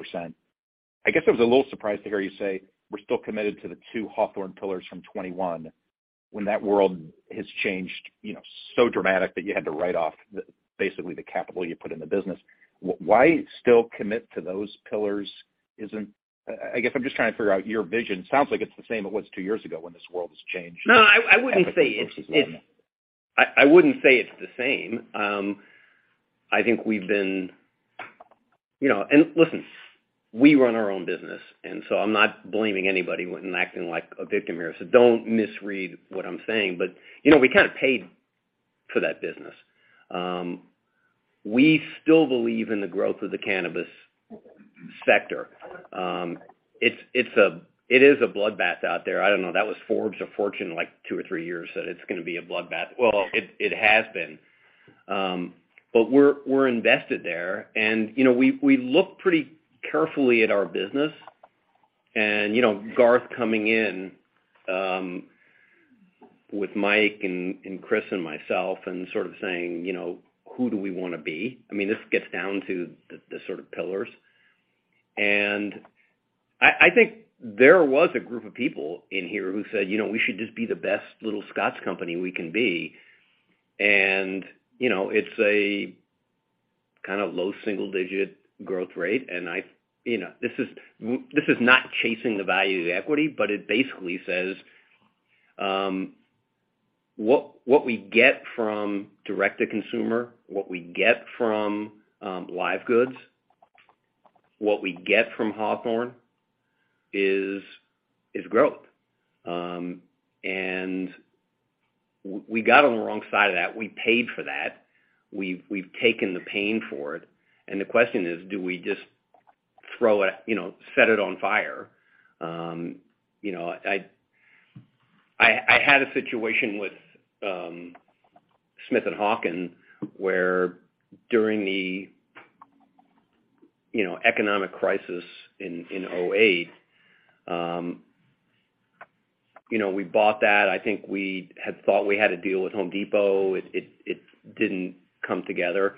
I guess I was a little surprised to hear you say we're still committed to the two Hawthorne pillars from 2021 when that world has changed, you know, so dramatic that you had to write off basically the capital you put in the business. Why still commit to those pillars? I guess I'm just trying to figure out your vision. Sounds like it's the same it was two years ago when this world was changed. No, I wouldn't say it's. ever since versus now. I wouldn't say it's the same. I think we've been... You know, and listen, we run our own business, and so I'm not blaming anybody and acting like a victim here, so don't misread what I'm saying. But, you know, we kind of paid for that business. We still believe in the growth of the cannabis sector. It is a bloodbath out there. I don't know, that was Forbes or Fortune, like two or three years, said it's gonna be a bloodbath. Well, it has been. But we're invested there and, you know, we look pretty carefully at our business. You know, Garth coming in, with Mike and Chris and myself and sort of saying, you know, "Who do we wanna be?" I mean, this gets down to the sort of pillars. I think there was a group of people in here who said, "You know, we should just be the best little Scotts company we can be." You know, it's a kind of low single-digit growth rate. You know, this is not chasing the value of the equity, but it basically says, what we get from direct-to-consumer, what we get from Live Goods, what we get from Hawthorne is growth. We got on the wrong side of that. We paid for that. We've taken the pain for it, and the question is, do we just throw it, you know, set it on fire? You know, I had a situation with Smith & Hawken, where during the, you know, economic crisis in 2008, you know, we bought that. I think we had thought we had a deal with The Home Depot. It didn't come together,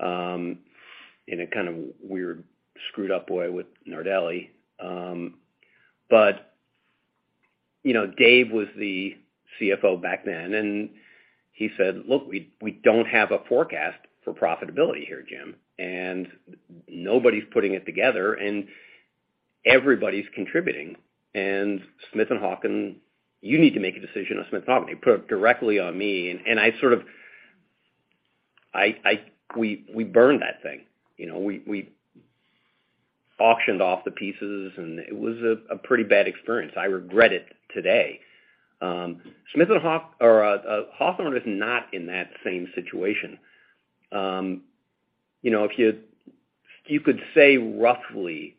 in a kind of weird, screwed-up way with Nardelli. You know, Dave was the CFO back then, and he said, "Look, we don't have a forecast for profitability here, Jim, and nobody's putting it together, and everybody's contributing. Smith & Hawken, you need to make a decision on Smith & Hawken." He put it directly on me, and I sort of, we burned that thing, you know. We auctioned off the pieces, and it was a pretty bad experience. I regret it today. Smith & Hawken or Hawthorne is not in that same situation. You know, if you could say roughly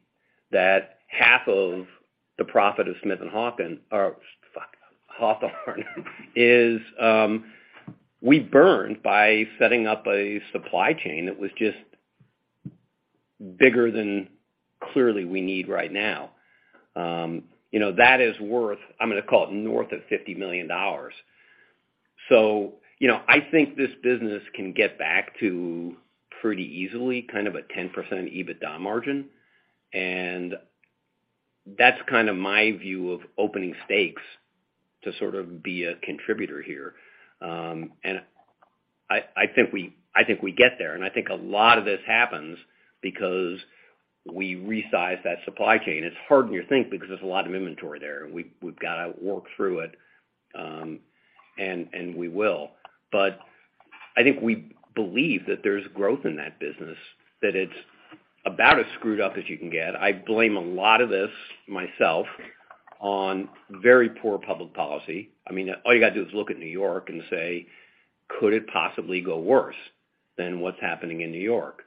that half of the profit of Smith & Hawken, or, fuck, Hawthorne is, we burned by setting up a supply chain that was just bigger than clearly we need right now. You know, that is worth, I'm gonna call it, north of $50 million. You know, I think this business can get back to pretty easily kind of a 10% EBITDA margin, and that's kind of my view of opening stakes to sort of be a contributor here. I think we get there, and I think a lot of this happens because we resize that supply chain. It's harder than you think because there's a lot of inventory there. We've gotta work through it, and we will. I think we believe that there's growth in that business, that it's about as screwed up as you can get. I blame a lot of this myself on very poor public policy. I mean, all you gotta do is look at New York and say, "Could it possibly go worse than what's happening in New York?"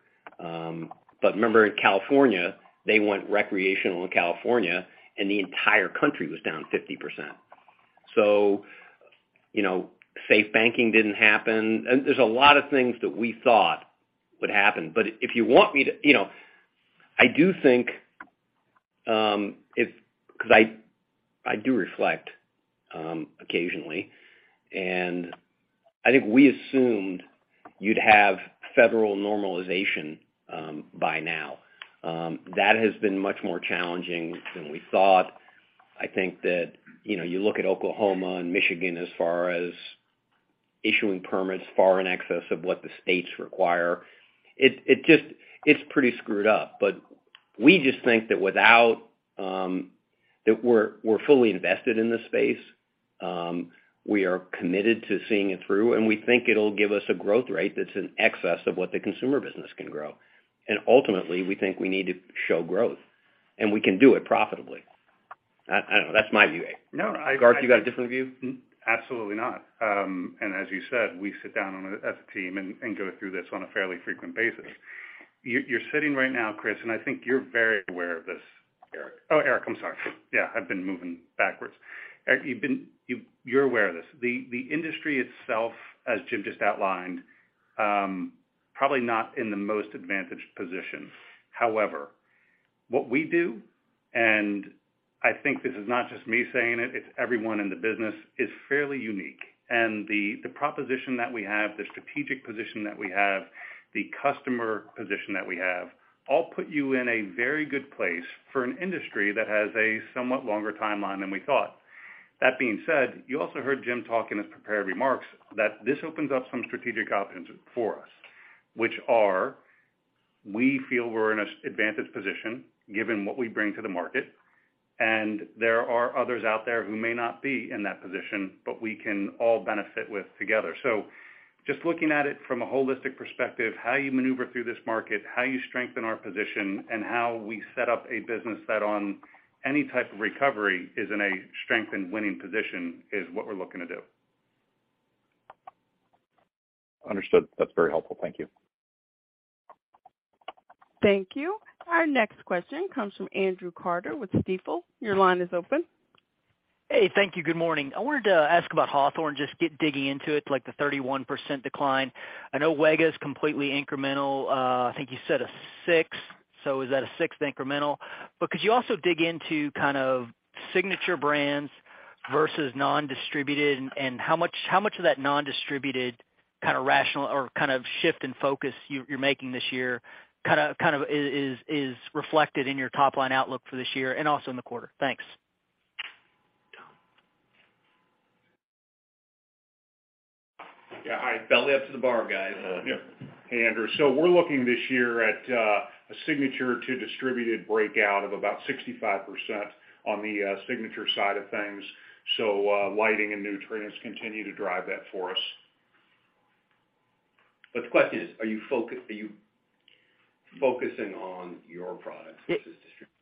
Remember in California, they went recreational in California, and the entire country was down 50%. You know, SAFE Banking didn't happen. There's a lot of things that we thought would happen. If you want me to, you know, I do think, 'cause I do reflect occasionally, and I think we assumed you'd have federal normalization by now. That has been much more challenging than we thought. I think that, you know, you look at Oklahoma and Michigan as far as issuing permits far in excess of what the states require. It just, it's pretty screwed up. We just think we're fully invested in this space. We are committed to seeing it through. We think it'll give us a growth rate that's in excess of what the consumer business can grow. Ultimately, we think we need to show growth. We can do it profitably. I don't know, that's my view. No, I, Garth, you got a different view? Absolutely not. As you said, we sit down on a, as a team and go through this on a fairly frequent basis. You're sitting right now, Chris, and I think you're very aware of this. Eric. Oh, Eric, I'm sorry. Yeah, I've been moving backwards. Eric, you're aware of this. The industry itself, as Jim just outlined, probably not in the most advantaged position. However, what we do, and I think this is not just me saying it's everyone in the business, is fairly unique. The proposition that we have, the strategic position that we have, the customer position that we have, all put you in a very good place for an industry that has a somewhat longer timeline than we thought. That being said, you also heard Jim talk in his prepared remarks that this opens up some strategic options for us, which are we feel we're in an advantaged position given what we bring to the market, and there are others out there who may not be in that position, but we can all benefit with together. Just looking at it from a holistic perspective, how you maneuver through this market, how you strengthen our position, and how we set up a business that on any type of recovery is in a strength and winning position is what we're looking to do. Understood. That's very helpful. Thank you. Thank you. Our next question comes from Andrew Carter with Stifel. Your line is open. Hey, thank you. Good morning. I wanted to ask about Hawthorne, just get digging into it, like the 31% decline. I know WEGA is completely incremental. I think you said a six. Is that a sixth incremental? Could you also dig into kind of signature brands versus non-distributed and how much of that non-distributed kind of rational or kind of shift in focus you're making this year kind of is reflected in your top line outlook for this year and also in the quarter? Thanks. Yeah. Hi. Belly up to the bar, guys. Yeah. Hey, Andrew. We're looking this year at a signature to distributed breakout of about 65% on the signature side of things. Lighting and nutrients continue to drive that for us. The question is, are you focusing on your products versus distributors?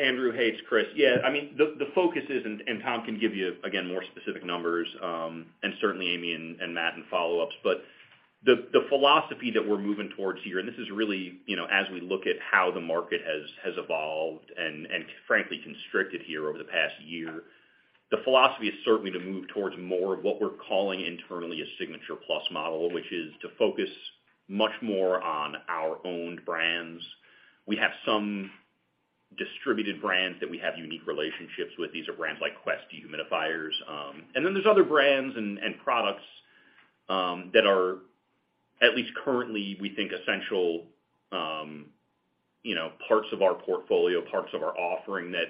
Andrew. Hey, it's Chris. I mean, the focus is, and Tom can give you, again, more specific numbers, and certainly Aimee DeLuca and Matt in follow-ups. The philosophy that we're moving towards here, and this is really, you know, as we look at how the market has evolved and frankly constricted here over the past year, the philosophy is certainly to move towards more of what we're calling internally a Signature+ model, which is to focus much more on our own brands. We have some distributed brands that we have unique relationships with. These are brands like Quest dehumidifiers. Then there's other brands and products, that are, at least currently, we think, essential, you know, parts of our portfolio, parts of our offering that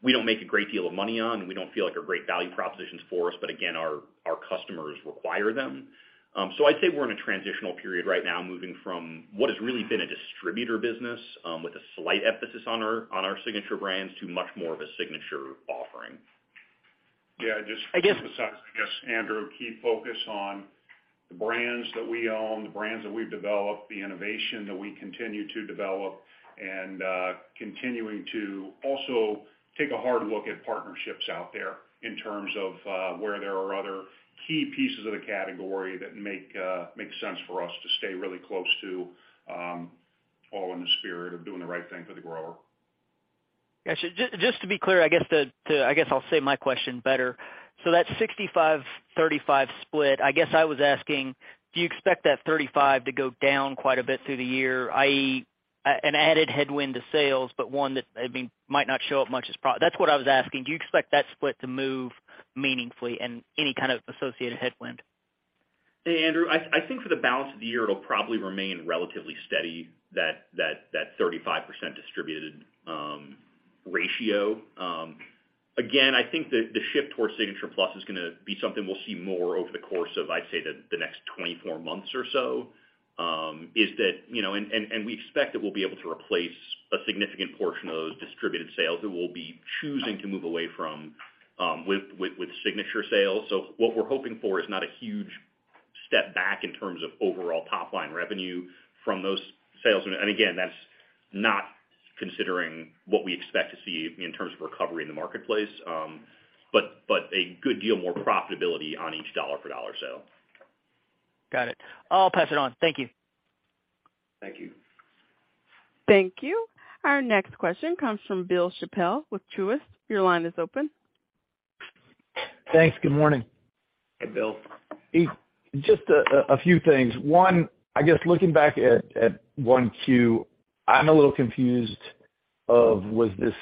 we don't make a great deal of money on and we don't feel like are great value propositions for us, but again, our customers require them. I'd say we're in a transitional period right now, moving from what has really been a distributor business, with a slight emphasis on our, on our signature brands to much more of a signature offering. Yeah, just to emphasize, I guess, Andrew, key focus on the brands that we own, the brands that we've developed, the innovation that we continue to develop, and continuing to also take a hard look at partnerships out there in terms of where there are other key pieces of the category that make sense for us to stay really close to, all in the spirit of doing the right thing for the grower. Got you. Just to be clear, I guess the, I guess I'll say my question better. That 65, 35 split, I guess I was asking, do you expect that 35 to go down quite a bit through the year, i.e., an added headwind to sales, but one that, I mean, might not show up much as pro, that's what I was asking. Do you expect that split to move meaningfully and any kind of associated headwind? Hey, Andrew. I think for the balance of the year, it'll probably remain relatively steady, that 35% distributed ratio. Again, I think that the shift towards Signature+ is gonna be something we'll see more over the course of, I'd say, the next 24 months or so, is that, you know. We expect that we'll be able to replace a significant portion of those distributed sales that we'll be choosing to move away from, with Signature sales. What we're hoping for is not a huge step back in terms of overall top line revenue from those sales. Again, that's not considering what we expect to see in terms of recovery in the marketplace, but a good deal more profitability on each dollar for dollar sale. Got it. I'll pass it on. Thank you. Thank you. Thank you. Our next question comes from Bill Chappell with Truist. Your line is open. Thanks. Good morning. Hey, Bill. Just a few things. One, I guess looking back at Q1, I'm a little confused of was this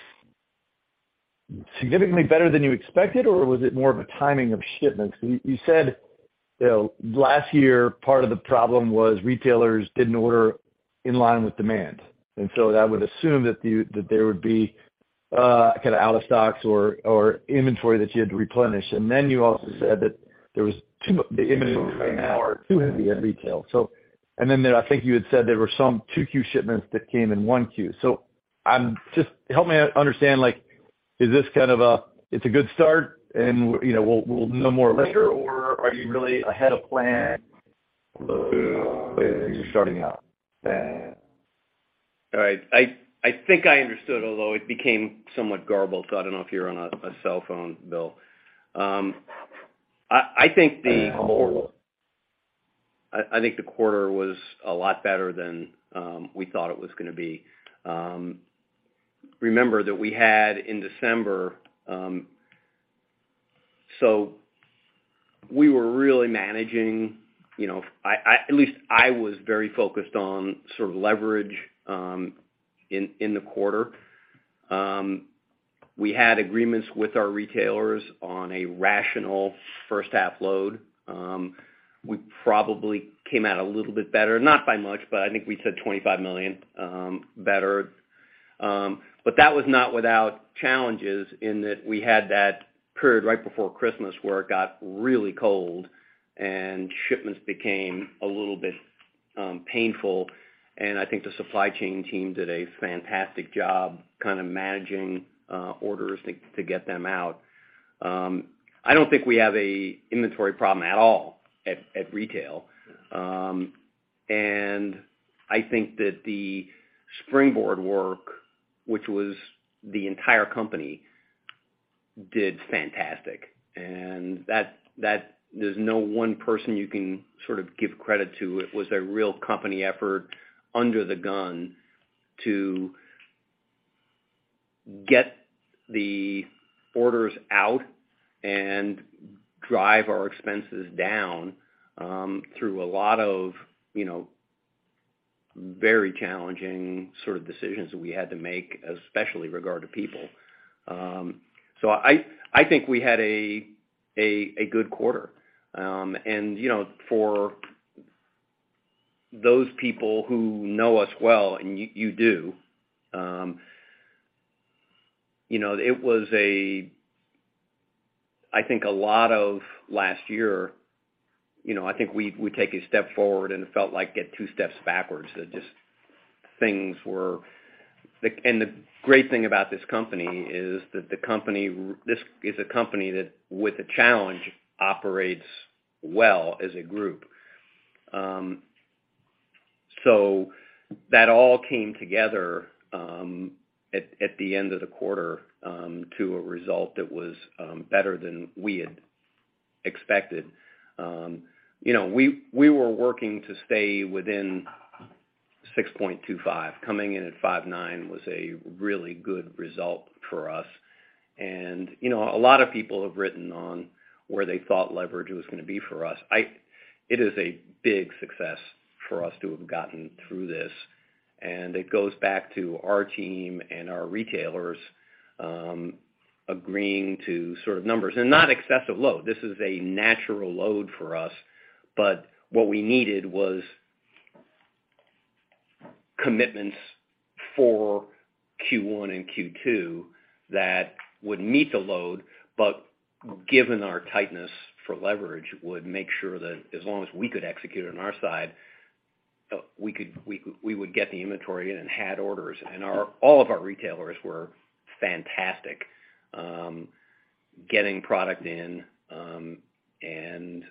significantly better than you expected or was it more of a timing of shipments? You said, you know, last year part of the problem was retailers didn't order in line with demand. I would assume that there would be, kinda out of stocks or inventory that you had to replenish. You also said that there was too much inventory at retail. I think you had said there were some Q2 shipments that came in Q1. Help me out understand, like, is this kind of a, it's a good start and, you know, we'll know more later, or are you really ahead of plan starting out? All right. I think I understood, although it became somewhat garbled, so I don't know if you're on a cell phone, Bill. I think the quarter, I think the quarter was a lot better than we thought it was gonna be. Remember that we had in December. We were really managing, you know, at least I was very focused on sort of leverage in the quarter. We had agreements with our retailers on a rational first half load. We probably came out a little bit better, not by much, but I think we said $25 million better. That was not without challenges in that we had that period right before Christmas where it got really cold and shipments became a little bit painful. I think the supply chain team did a fantastic job kind of managing orders to get them out. I don't think we have a inventory problem at all at retail. I think that the Springboard work, which was the entire company, did fantastic. There's no one person you can sort of give credit to. It was a real company effort under the gun to get the orders out and drive our expenses down, through a lot of, you know, very challenging sort of decisions that we had to make, especially regard to people. I think we had a good quarter. You know, for those people who know us well, and you do, you know, it was I think a lot of last year, you know, I think we take a step forward and it felt like get two steps backwards. Just things were. The great thing about this company is that this is a company that, with the challenge, operates well as a group. That all came together at the end of the quarter to a result that was better than we had expected. You know, we were working to stay within 6.25x. Coming in at 5.9x was a really good result for us. You know, a lot of people have written on where they thought leverage was gonna be for us. It is a big success for us to have gotten through this, and it goes back to our team and our retailers agreeing to sort of numbers. Not excessive load. This is a natural load for us. What we needed was commitments for Q1 and Q2 that would meet the load, but given our tightness for leverage, would make sure that as long as we could execute on our side, we would get the inventory in and had orders. All of our retailers were fantastic, getting product in, and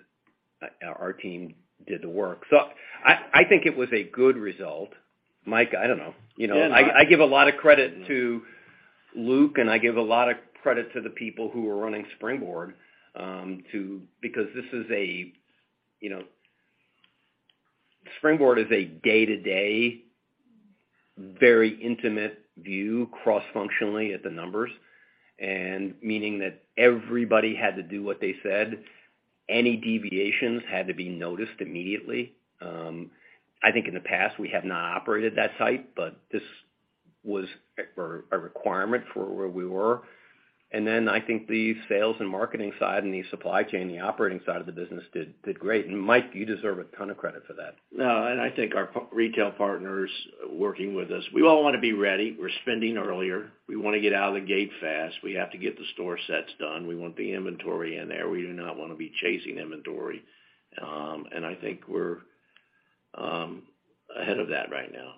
our team did the work. I think it was a good result. Mike, I don't know. You know, I give a lot of credit to Luke, I give a lot of credit to the people who are running Springboard because this is a, you know, Springboard is a day-to-day, very intimate view cross-functionally at the numbers. Meaning that everybody had to do what they said. Any deviations had to be noticed immediately. I think in the past, we have not operated that tight, but this was a requirement for where we were. I think the sales and marketing side and the supply chain, the operating side of the business did great. Mike, you deserve a ton of credit for that. No, I think our retail partners working with us. We all wanna be ready. We're spending earlier. We wanna get out of the gate fast. We have to get the store sets done. We want the inventory in there. We do not wanna be chasing inventory. I think we're ahead of that right now.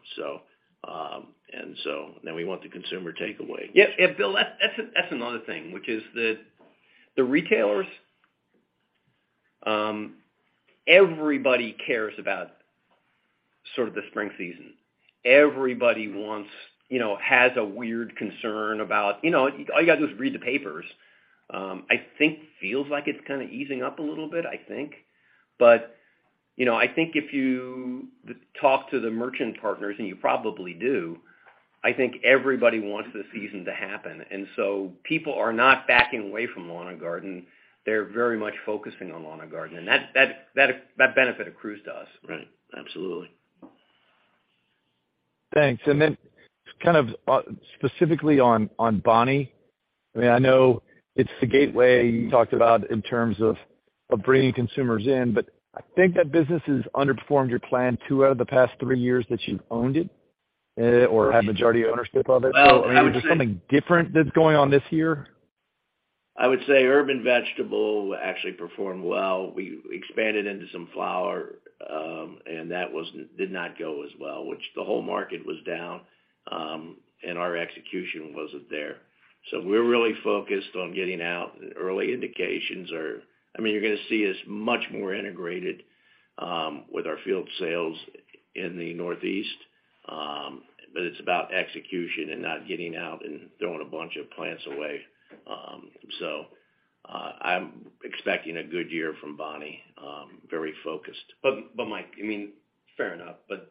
We want the consumer takeaway. Yes, Bill, that's another thing, which is that the retailers, everybody cares about sort of the spring season. Everybody wants, you know, has a weird concern about, you know, all you gotta do is read the papers. I think feels like it's kinda easing up a little bit, I think. You know, I think if you talk to the merchant partners, and you probably do, I think everybody wants the season to happen. So people are not backing away from Lawn & Garden. They're very much focusing on Lawn & Garden, and that benefit accrues to us. Right. Absolutely. Thanks. Then kind of, specifically on Bonnie. I mean, I know it's the gateway you talked about in terms of bringing consumers in. I think that business has underperformed your plan two out of the past three years that you've owned it, or have majority ownership of it. Well, I would say I mean, is there something different that's going on this year? I would say urban vegetable actually performed well. We expanded into some flower, and that did not go as well, which the whole market was down, and our execution wasn't there. We're really focused on getting out. Early indications are. I mean, you're gonna see us much more integrated with our field sales in the Northeast. It's about execution and not getting out and throwing a bunch of plants away. I'm expecting a good year from Bonnie, very focused. Mike, I mean, fair enough, but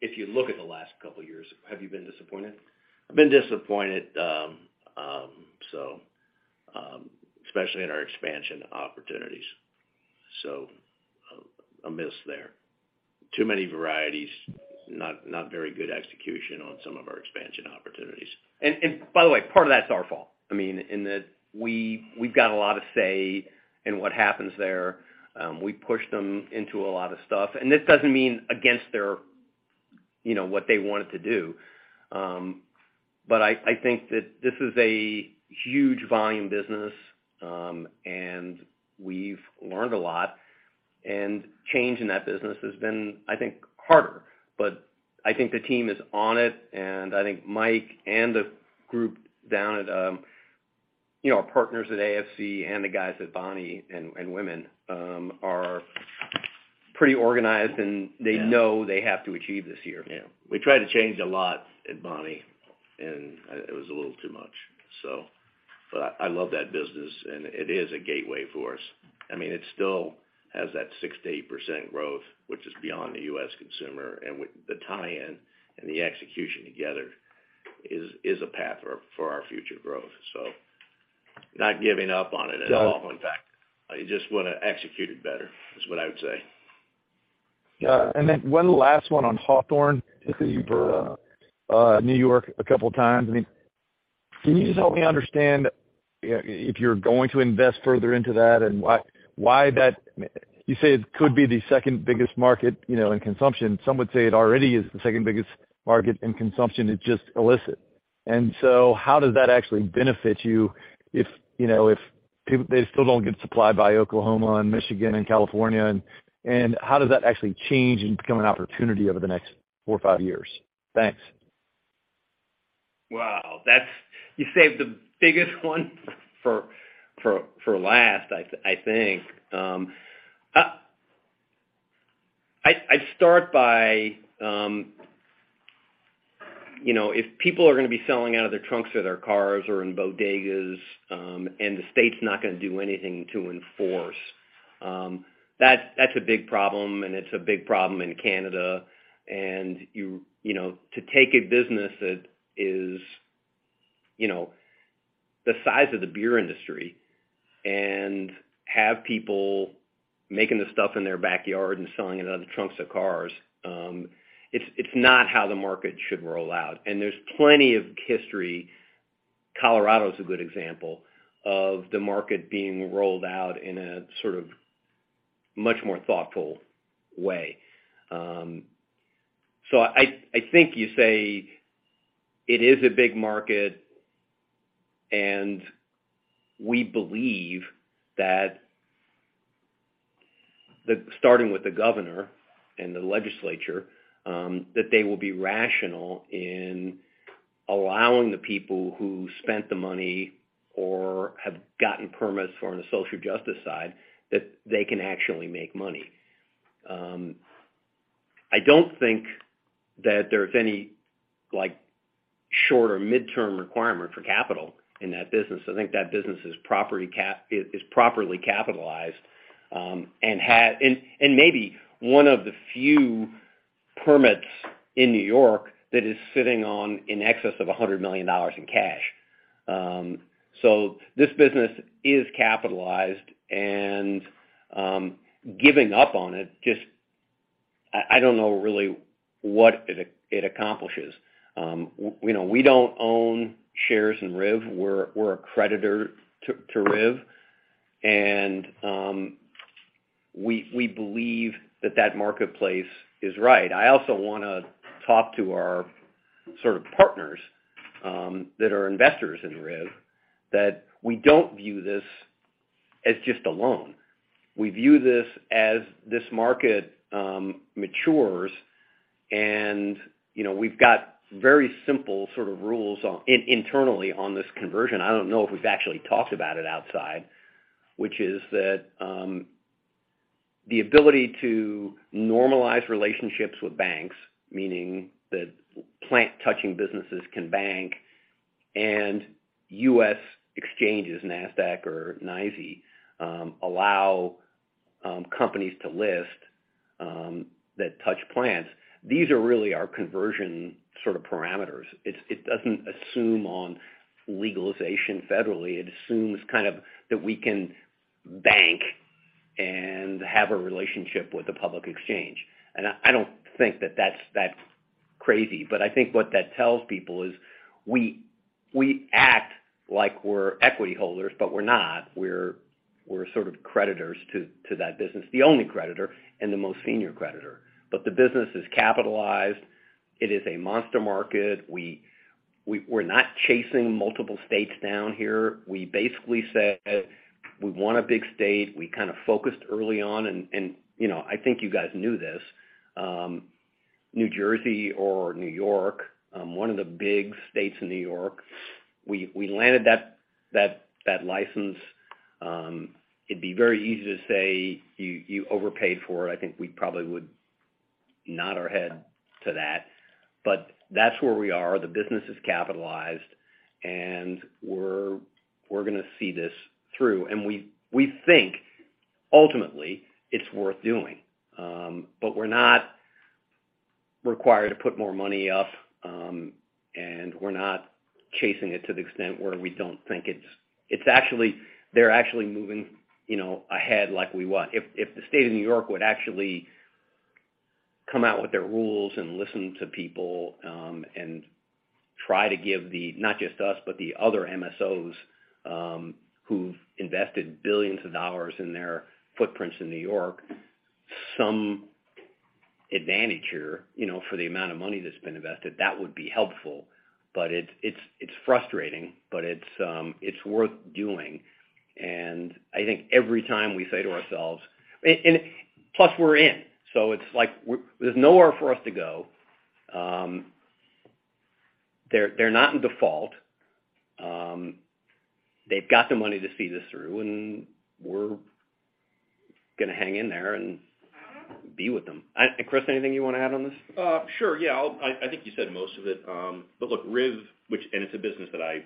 if you look at the last couple years, have you been disappointed? I've been disappointed, especially in our expansion opportunities. A miss there. Too many varieties, not very good execution on some of our expansion opportunities. By the way, part of that's our fault. I mean, in that we've got a lot of say in what happens there. We push them into a lot of stuff. This doesn't mean against their, you know, what they wanted to do. I think that this is a huge volume business, and we've learned a lot, and change in that business has been, I think, harder. I think the team is on it, and I think Mike and the group down at, you know, our partners at AFC and the guys at Bonnie and Bonnie are pretty organized, and they know they have to achieve this year. Yeah. We tried to change a lot at Bonnie, and it was a little too much. But I love that business, and it is a gateway for us. I mean, it still has that 6%-8% growth, which is beyond the U.S. consumer, and with the tie-in and the execution together is a path for our future growth. Not giving up on it at all. In fact, I just wanna execute it better, is what I would say. One last one on Hawthorne. You've referred to New York a couple times. I mean, can you just help me understand if you're going to invest further into that, and why that? You say it could be the second biggest market, you know, in consumption. Some would say it already is the second biggest market in consumption, it's just illicit. How does that actually benefit you if, you know, if people, they still don't get supplied by Oklahoma and Michigan and California, and how does that actually change and become an opportunity over the next four or five years? Thanks. Wow. That's, you saved the biggest one for last, I think. I start by, you know, if people are gonna be selling out of their trunks of their cars or in bodegas, and the state's not gonna do anything to enforce, that's a big problem, and it's a big problem in Canada. You know, to take a business that is, you know, the size of the beer industry and have people making the stuff in their backyard and selling it out of the trunks of cars, it's not how the market should roll out. There's plenty of history, Colorado's a good example, of the market being rolled out in a sort of much more thoughtful way. I think you say it is a big market, and we believe that the, starting with the governor and the legislature, that they will be rational in allowing the people who spent the money or have gotten permits for on the social justice side that they can actually make money. I don't think that there's any, like, short or midterm requirement for capital in that business. I think that business is properly capitalized, and maybe one of the few permits in New York that is sitting on in excess of $100 million in cash. This business is capitalized, and giving up on it just, I don't know really what it accomplishes. You know, we don't own shares in RIV. We're, we're a creditor to RIV, and, we believe that that marketplace is right. I also wanna talk to our sort of partners, that are investors in RIV, that we don't view this as just a loan. We view this as this market matures and, you know, we've got very simple sort of rules internally on this conversion. I don't know if we've actually talked about it outside, which is that, the ability to normalize relationships with banks, meaning that plant-touching businesses can bank and U.S. exchanges, NASDAQ or NYSE, allow companies to list, that touch plants. These are really our conversion sort of parameters. It, it doesn't assume on legalization federally. It assumes kind of that we can bank and have a relationship with a public exchange. I don't think that's crazy, but I think what that tells people is we act like we're equity holders, but we're not. We're sort of creditors to that business, the only creditor and the most senior creditor. The business is capitalized. It is a monster market. We're not chasing multiple states down here. We basically said we want a big state. We kind of focused early on, you know, I think you guys knew this, New Jersey or New York, one of the big states in New York, we landed that license. It'd be very easy to say you overpaid for it. I think we probably would nod our head to that. That's where we are. The business is capitalized, and we're gonna see this through. We think ultimately it's worth doing. We're not required to put more money up, we're not chasing it to the extent where we don't think it's actually, they're actually moving, you know, ahead like we want. If the state of New York would actually Come out with their rules and listen to people, and try to give the, not just us, but the other MSOs, who've invested billions of dollars in their footprints in New York some advantage here, you know, for the amount of money that's been invested, that would be helpful. It's frustrating, but it's worth doing. I think every time we say to ourselves. Plus, we're in, so it's like there's nowhere for us to go. They're not in default. They've got the money to see this through, and we're gonna hang in there and be with them. Chris, anything you wanna add on this? Sure, yeah. I think you said most of it. But look, RIV, which, it's a business that I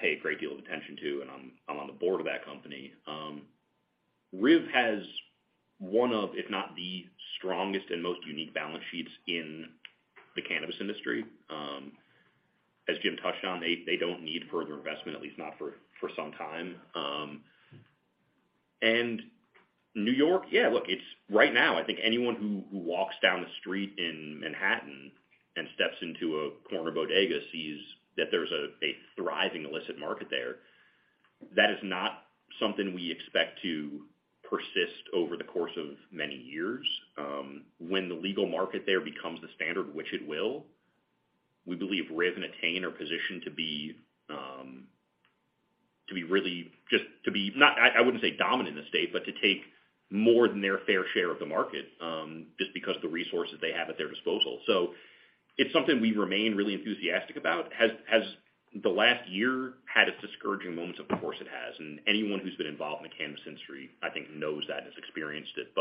pay a great deal of attention to, and I'm on the board of that company. RIV has one of, if not the strongest and most unique balance sheets in the cannabis industry. As Jim touched on, they don't need further investment, at least not for some time. New York, yeah, look, it's right now, I think anyone who walks down the street in Manhattan and steps into a corner bodega sees that there's a thriving illicit market there. That is not something we expect to persist over the course of many years. When the legal market there becomes the standard, which it will, we believe RIV Capital and Etain are positioned to be really just, I wouldn't say dominant in the state, but to take more than their fair share of the market, just because the resources they have at their disposal. It's something we remain really enthusiastic about. Has the last year had its discouraging moments? Of course, it has. Anyone who's been involved in the cannabis industry, I think, knows that and has experienced it.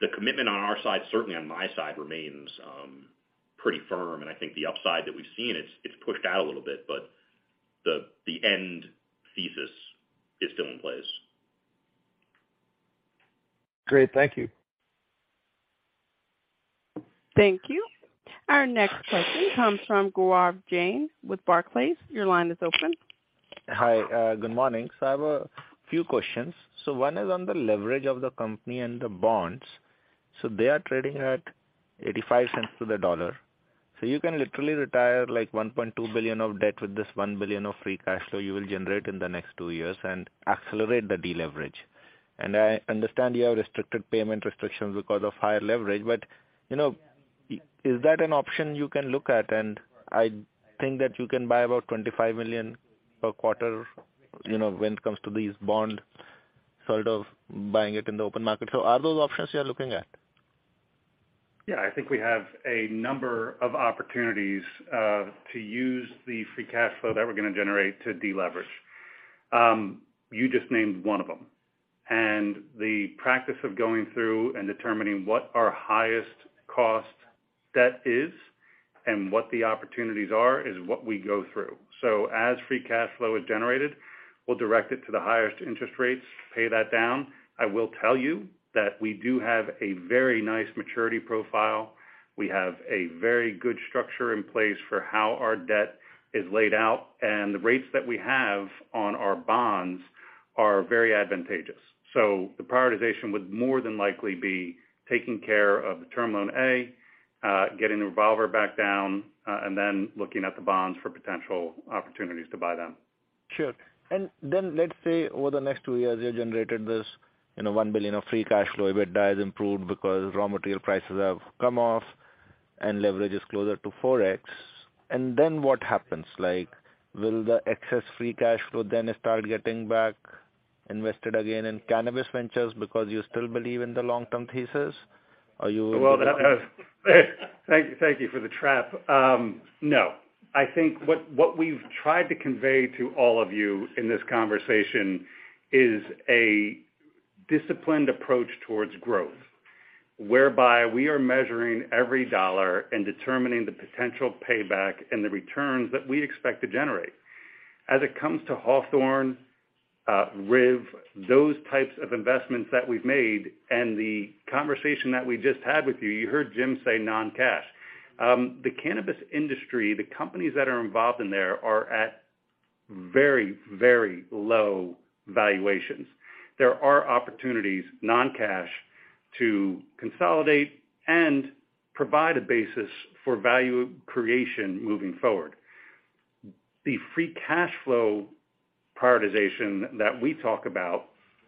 The commitment on our side, certainly on my side, remains pretty firm. I think the upside that we've seen, it's pushed out a little bit, but the end thesis is still in place. Great. Thank you. Thank you. Our next question comes from Gaurav Jain with Barclays. Your line is open. Hi. Good morning. I have a few questions. One is on the leverage of the company and the bonds. They are trading at $0.85 to the dollar. You can literally retire, like, $1.2 billion of debt with this $1 billion of free cash flow you will generate in the next two years and accelerate the deleverage. I understand you have restricted payment restrictions because of higher leverage, but, you know, is that an option you can look at? I think that you can buy about $25 million per quarter, you know, when it comes to these bonds, sort of buying it in the open market. Are those options you're looking at? Yeah. I think we have a number of opportunities to use the free cash flow that we're gonna generate to deleverage. You just named one of them. The practice of going through and determining what our highest cost debt is and what the opportunities are is what we go through. As free cash flow is generated, we'll direct it to the highest interest rates, pay that down. I will tell you that we do have a very nice maturity profile. We have a very good structure in place for how our debt is laid out, and the rates that we have on our bonds are very advantageous. The prioritization would more than likely be taking care of the Term Loan A, getting the revolver back down, and then looking at the bonds for potential opportunities to buy them. Sure. Then let's say over the next two years, you generated this, you know, $1 billion of free cash flow. EBITDA has improved because raw material prices have come off and leverage is closer to 4x. Then what happens? Like, will the excess free cash flow then start getting back invested again in cannabis ventures because you still believe in the long-term thesis? Well, thank you for the trap. No. I think what we've tried to convey to all of you in this conversation is a disciplined approach towards growth, whereby we are measuring every $1 and determining the potential payback and the returns that we expect to generate. As it comes to Hawthorne, RIV, those types of investments that we've made and the conversation that we just had with you heard Jim say non-cash. The cannabis industry, the companies that are involved in there are at very low valuations. There are opportunities, non-cash, to consolidate and provide a basis for value creation moving forward. The free cash flow prioritization that we talk about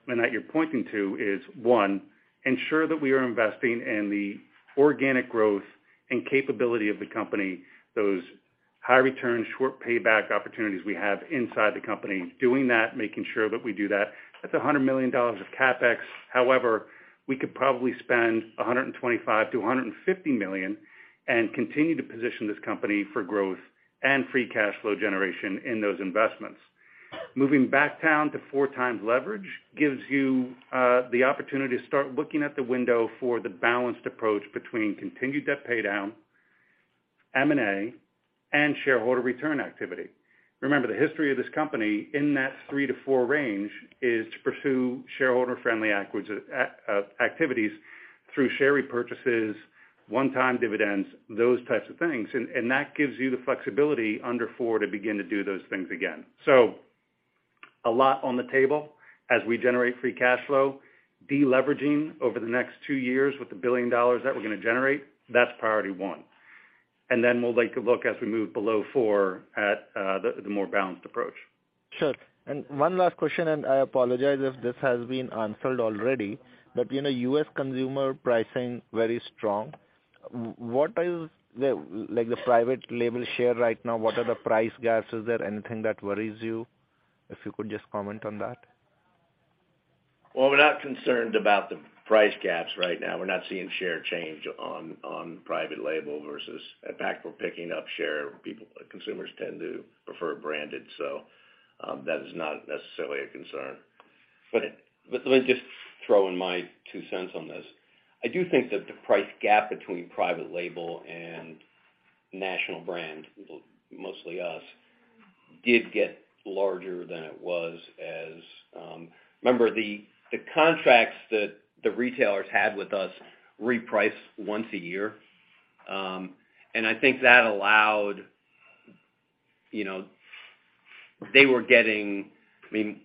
and that you're pointing to is, one, ensure that we are investing in the organic growth and capability of the company, those high return, short payback opportunities we have inside the company, doing that, making sure that we do that. That's $100 million of CapEx. We could probably spend $125 million-$150 million and continue to position this company for growth and free cash flow generation in those investments. Moving back down to four times leverage gives you the opportunity to start looking at the window for the balanced approach between continued debt paydown, M&A, and shareholder return activity. Remember, the history of this company in that three to four range is to pursue shareholder-friendly activities through share repurchases, one-time dividends, those types of things. That gives you the flexibility under four to begin to do those things again. A lot on the table as we generate free cash flow, de-leveraging over the next two years with the $1 billion that we're gonna generate, that's priority one. We'll take a look as we move below four at the more balanced approach. Sure. One last question, and I apologize if this has been answered already, but, you know, U.S. consumer pricing very strong. What is like the private label share right now? What are the price gaps? Is there anything that worries you? If you could just comment on that. We're not concerned about the price gaps right now. We're not seeing share change on private label in fact, we're picking up share. Consumers tend to prefer branded. That is not necessarily a concern. Let me just throw in my two cents on this. I do think that the price gap between private label and national brand, mostly us, did get larger than it was as. Remember, the contracts that the retailers had with us reprice once a year. I think that allowed, you know, I mean,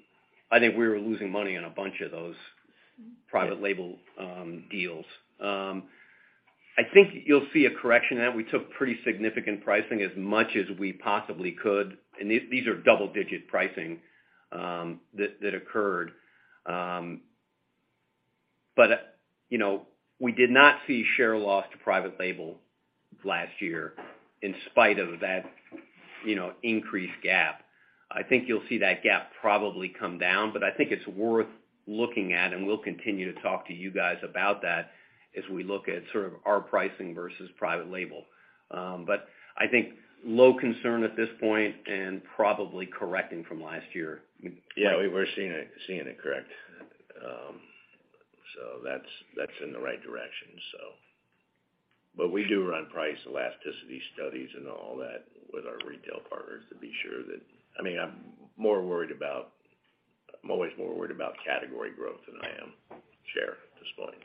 I think we were losing money on a bunch of those private label deals. I think you'll see a correction in that. We took pretty significant pricing as much as we possibly could, and these are double-digit pricing that occurred. You know, we did not see share loss to private label last year in spite of that, you know, increased gap. I think you'll see that gap probably come down, but I think it's worth looking at, and we'll continue to talk to you guys about that as we look at sort of our pricing versus private label. I think low concern at this point and probably correcting from last year. Yeah, we're seeing it, seeing it correct. That's in the right direction, so. We do run price elasticity studies and all that with our retail partners to be sure that, I mean, I'm always more worried about category growth than I am share at this point.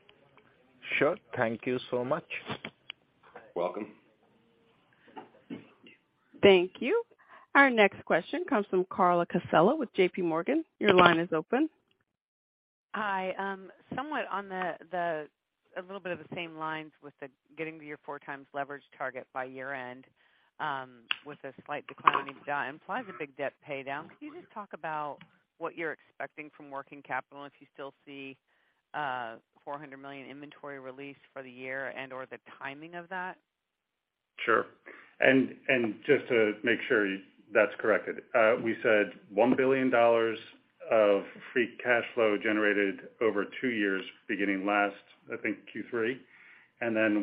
Sure. Thank you so much. Welcome. Thank you. Our next question comes from Carla Casella with JPMorgan. Your line is open. Hi. Somewhat on a little bit of the same lines with the getting to your four times leverage target by year-end, with a slight decline in EBITDA implies a big debt pay down. Can you just talk about what you're expecting from working capital, if you still see $400 million inventory release for the year and/or the timing of that? Sure. Just to make sure that's corrected, we said $1 billion of free cash flow generated over two years beginning last, I think, Q3.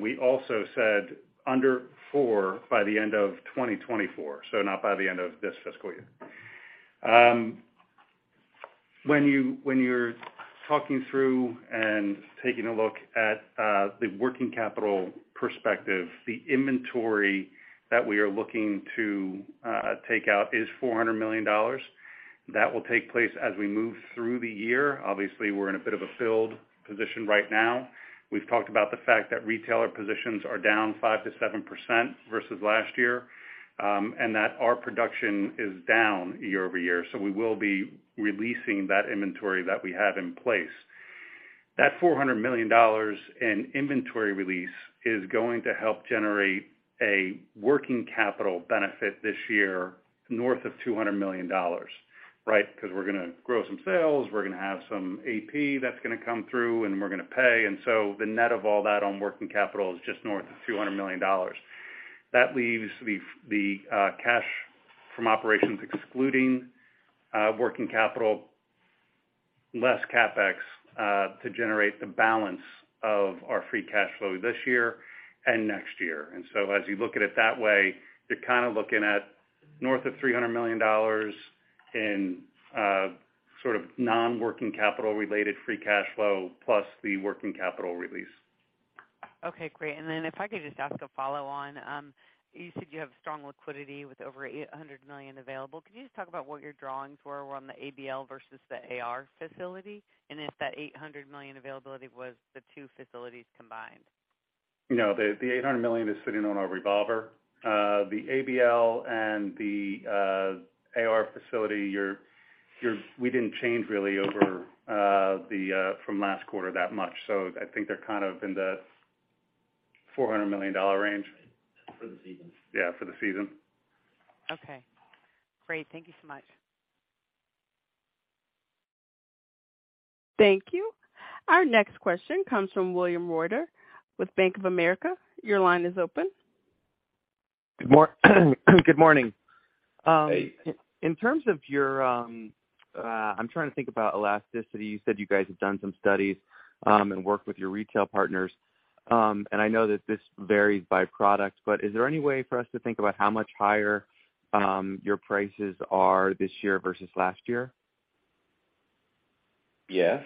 We also said under four by the end of 2024, so not by the end of this fiscal year. When you're talking through and taking a look at the working capital perspective, the inventory that we are looking to take out is $400 million. That will take place as we move through the year. Obviously, we're in a bit of a filled position right now. We've talked about the fact that retailer positions are down 5%-7% versus last year, and that our production is down year-over-year. We will be releasing that inventory that we have in place. That $400 million in inventory release is going to help generate a working capital benefit this year north of $200 million, right? We're gonna grow some sales, we're gonna have some AP that's gonna come through, and we're gonna pay. The net of all that on working capital is just north of $200 million. That leaves the cash from operations, excluding working capital, less CapEx, to generate the balance of our free cash flow this year and next year. As you look at it that way, you're kind of looking at north of $300 million in sort of non-working capital related free cash flow plus the working capital release. Okay, great. If I could just ask a follow on. You said you have strong liquidity with over $800 million available. Could you just talk about what your drawings were on the ABL versus the AR facility, and if that $800 million availability was the two facilities combined? No, the $800 million is sitting on our revolver. The ABL and the AR facility, we didn't change really over the from last quarter that much. I think they're kind of in the $400 million range. For the season. Yeah, for the season. Okay, great. Thank you so much. Thank you. Our next question comes from William Reuter with Bank of America. Your line is open. Good morning. Hey. In terms of your, I'm trying to think about elasticity. You said you guys have done some studies, and worked with your retail partners. I know that this varies by product, but is there any way for us to think about how much higher, your prices are this year versus last year? Yes.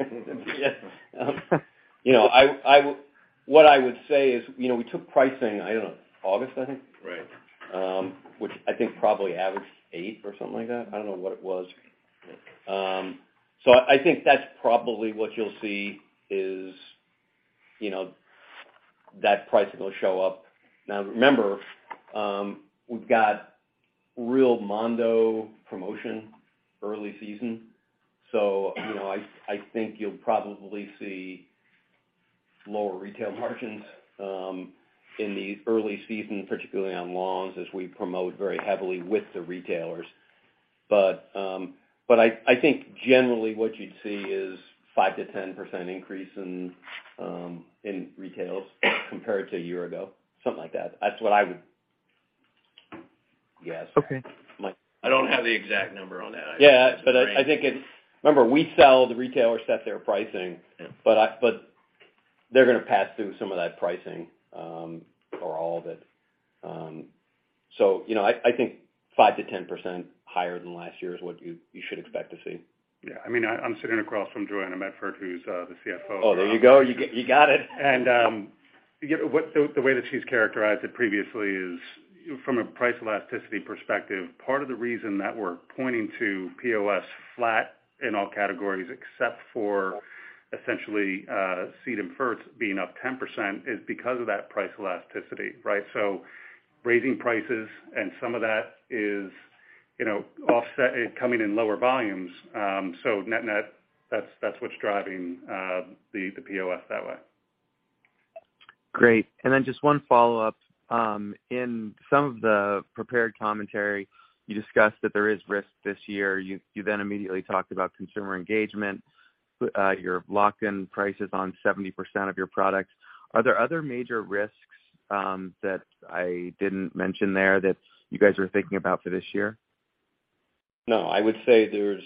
You know, what I would say is, you know, we took pricing, I don't know, August, I think. Right. which I think probably averaged 8 or something like that. I don't know what it was. I think that's probably what you'll see is, you know. That price will show up. Remember, we've got real mondo promotion early season, so you know, I think you'll probably see lower retail margins, in the early season, particularly on lawns, as we promote very heavily with the retailers. I think generally what you'd see is 5%-10% increase in retails compared to a year ago, something like that. That's what I would guess. Okay. I don't have the exact number on that. Yeah, I think. Remember, we sell, the retailers set their pricing. Yeah. They're gonna pass through some of that pricing, or all of it. You know, I think 5%-10% higher than last year is what you should expect to see. Yeah. I mean, I'm sitting across from Joanna of Medford, who's the CFO. Oh, there you go. You got it. You know, what, the way that she's characterized it previously is from a price elasticity perspective, part of the reason that we're pointing to POS flat in all categories, except for essentially, seed and ferts being up 10% is because of that price elasticity, right? Raising prices and some of that is, you know, offset coming in lower volumes. Net-net, that's what's driving the POS that way. Great. Just one follow-up. In some of the prepared commentary, you discussed that there is risk this year. You then immediately talked about consumer engagement, your lock-in prices on 70% of your products. Are there other major risks that I didn't mention there that you guys are thinking about for this year? No, I would say there's.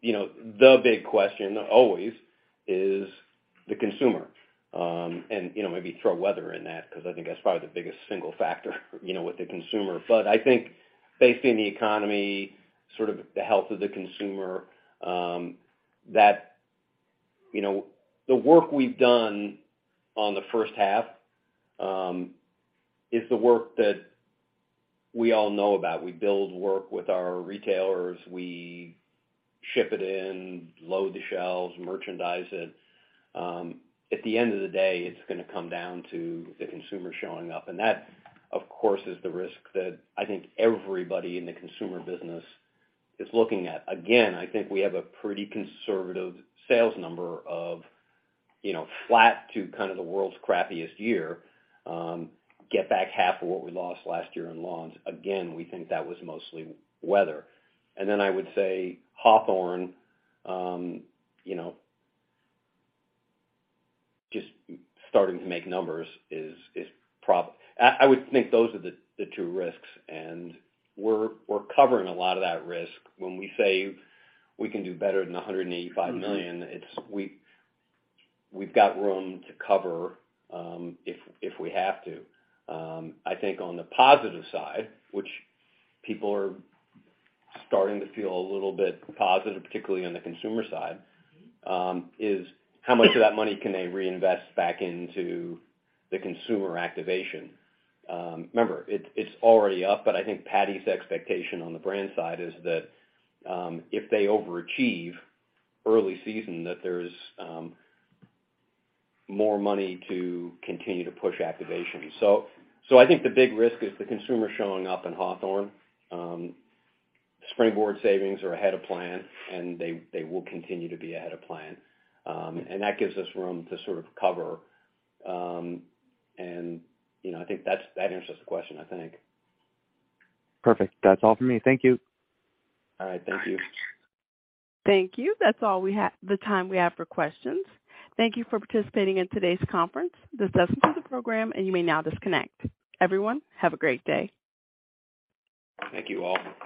You know, the big question always is the consumer. You know, maybe throw weather in that, 'cause I think that's probably the biggest single factor, you know, with the consumer. I think based on the economy, sort of the health of the consumer, that, you know, the work we've done on the first half, is the work that we all know about. We build work with our retailers, we ship it in, load the shelves, merchandise it. At the end of the day, it's gonna come down to the consumer showing up, and that, of course, is the risk that I think everybody in the consumer business is looking at. Again, I think we have a pretty conservative sales number of, you know, flat to kind of the world's crappiest year. Get back half of what we lost last year in lawns. We think that was mostly weather. I would say, Hawthorne, you know, just starting to make numbers is I would think those are the two risks, and we're covering a lot of that risk. When we say we can do better than $185 million- It's we've got room to cover, if we have to. I think on the positive side, which people are starting to feel a little bit positive, particularly on the consumer side, is how much of that money can they reinvest back into the consumer activation? Remember, it's already up, but I think Patti's expectation on the brand side is that if they overachieve early season, that there's more money to continue to push activation. I think the big risk is the consumer showing up in Hawthorne. Springboard savings are ahead of plan, and they will continue to be ahead of plan. That gives us room to sort of cover. You know, I think that's, that answers the question, I think. Perfect. That's all for me. Thank you. All right. Thank you. Thank you. That's all we have the time we have for questions. Thank you for participating in today's conference. This does conclude the program. You may now disconnect. Everyone, have a great day. Thank you all.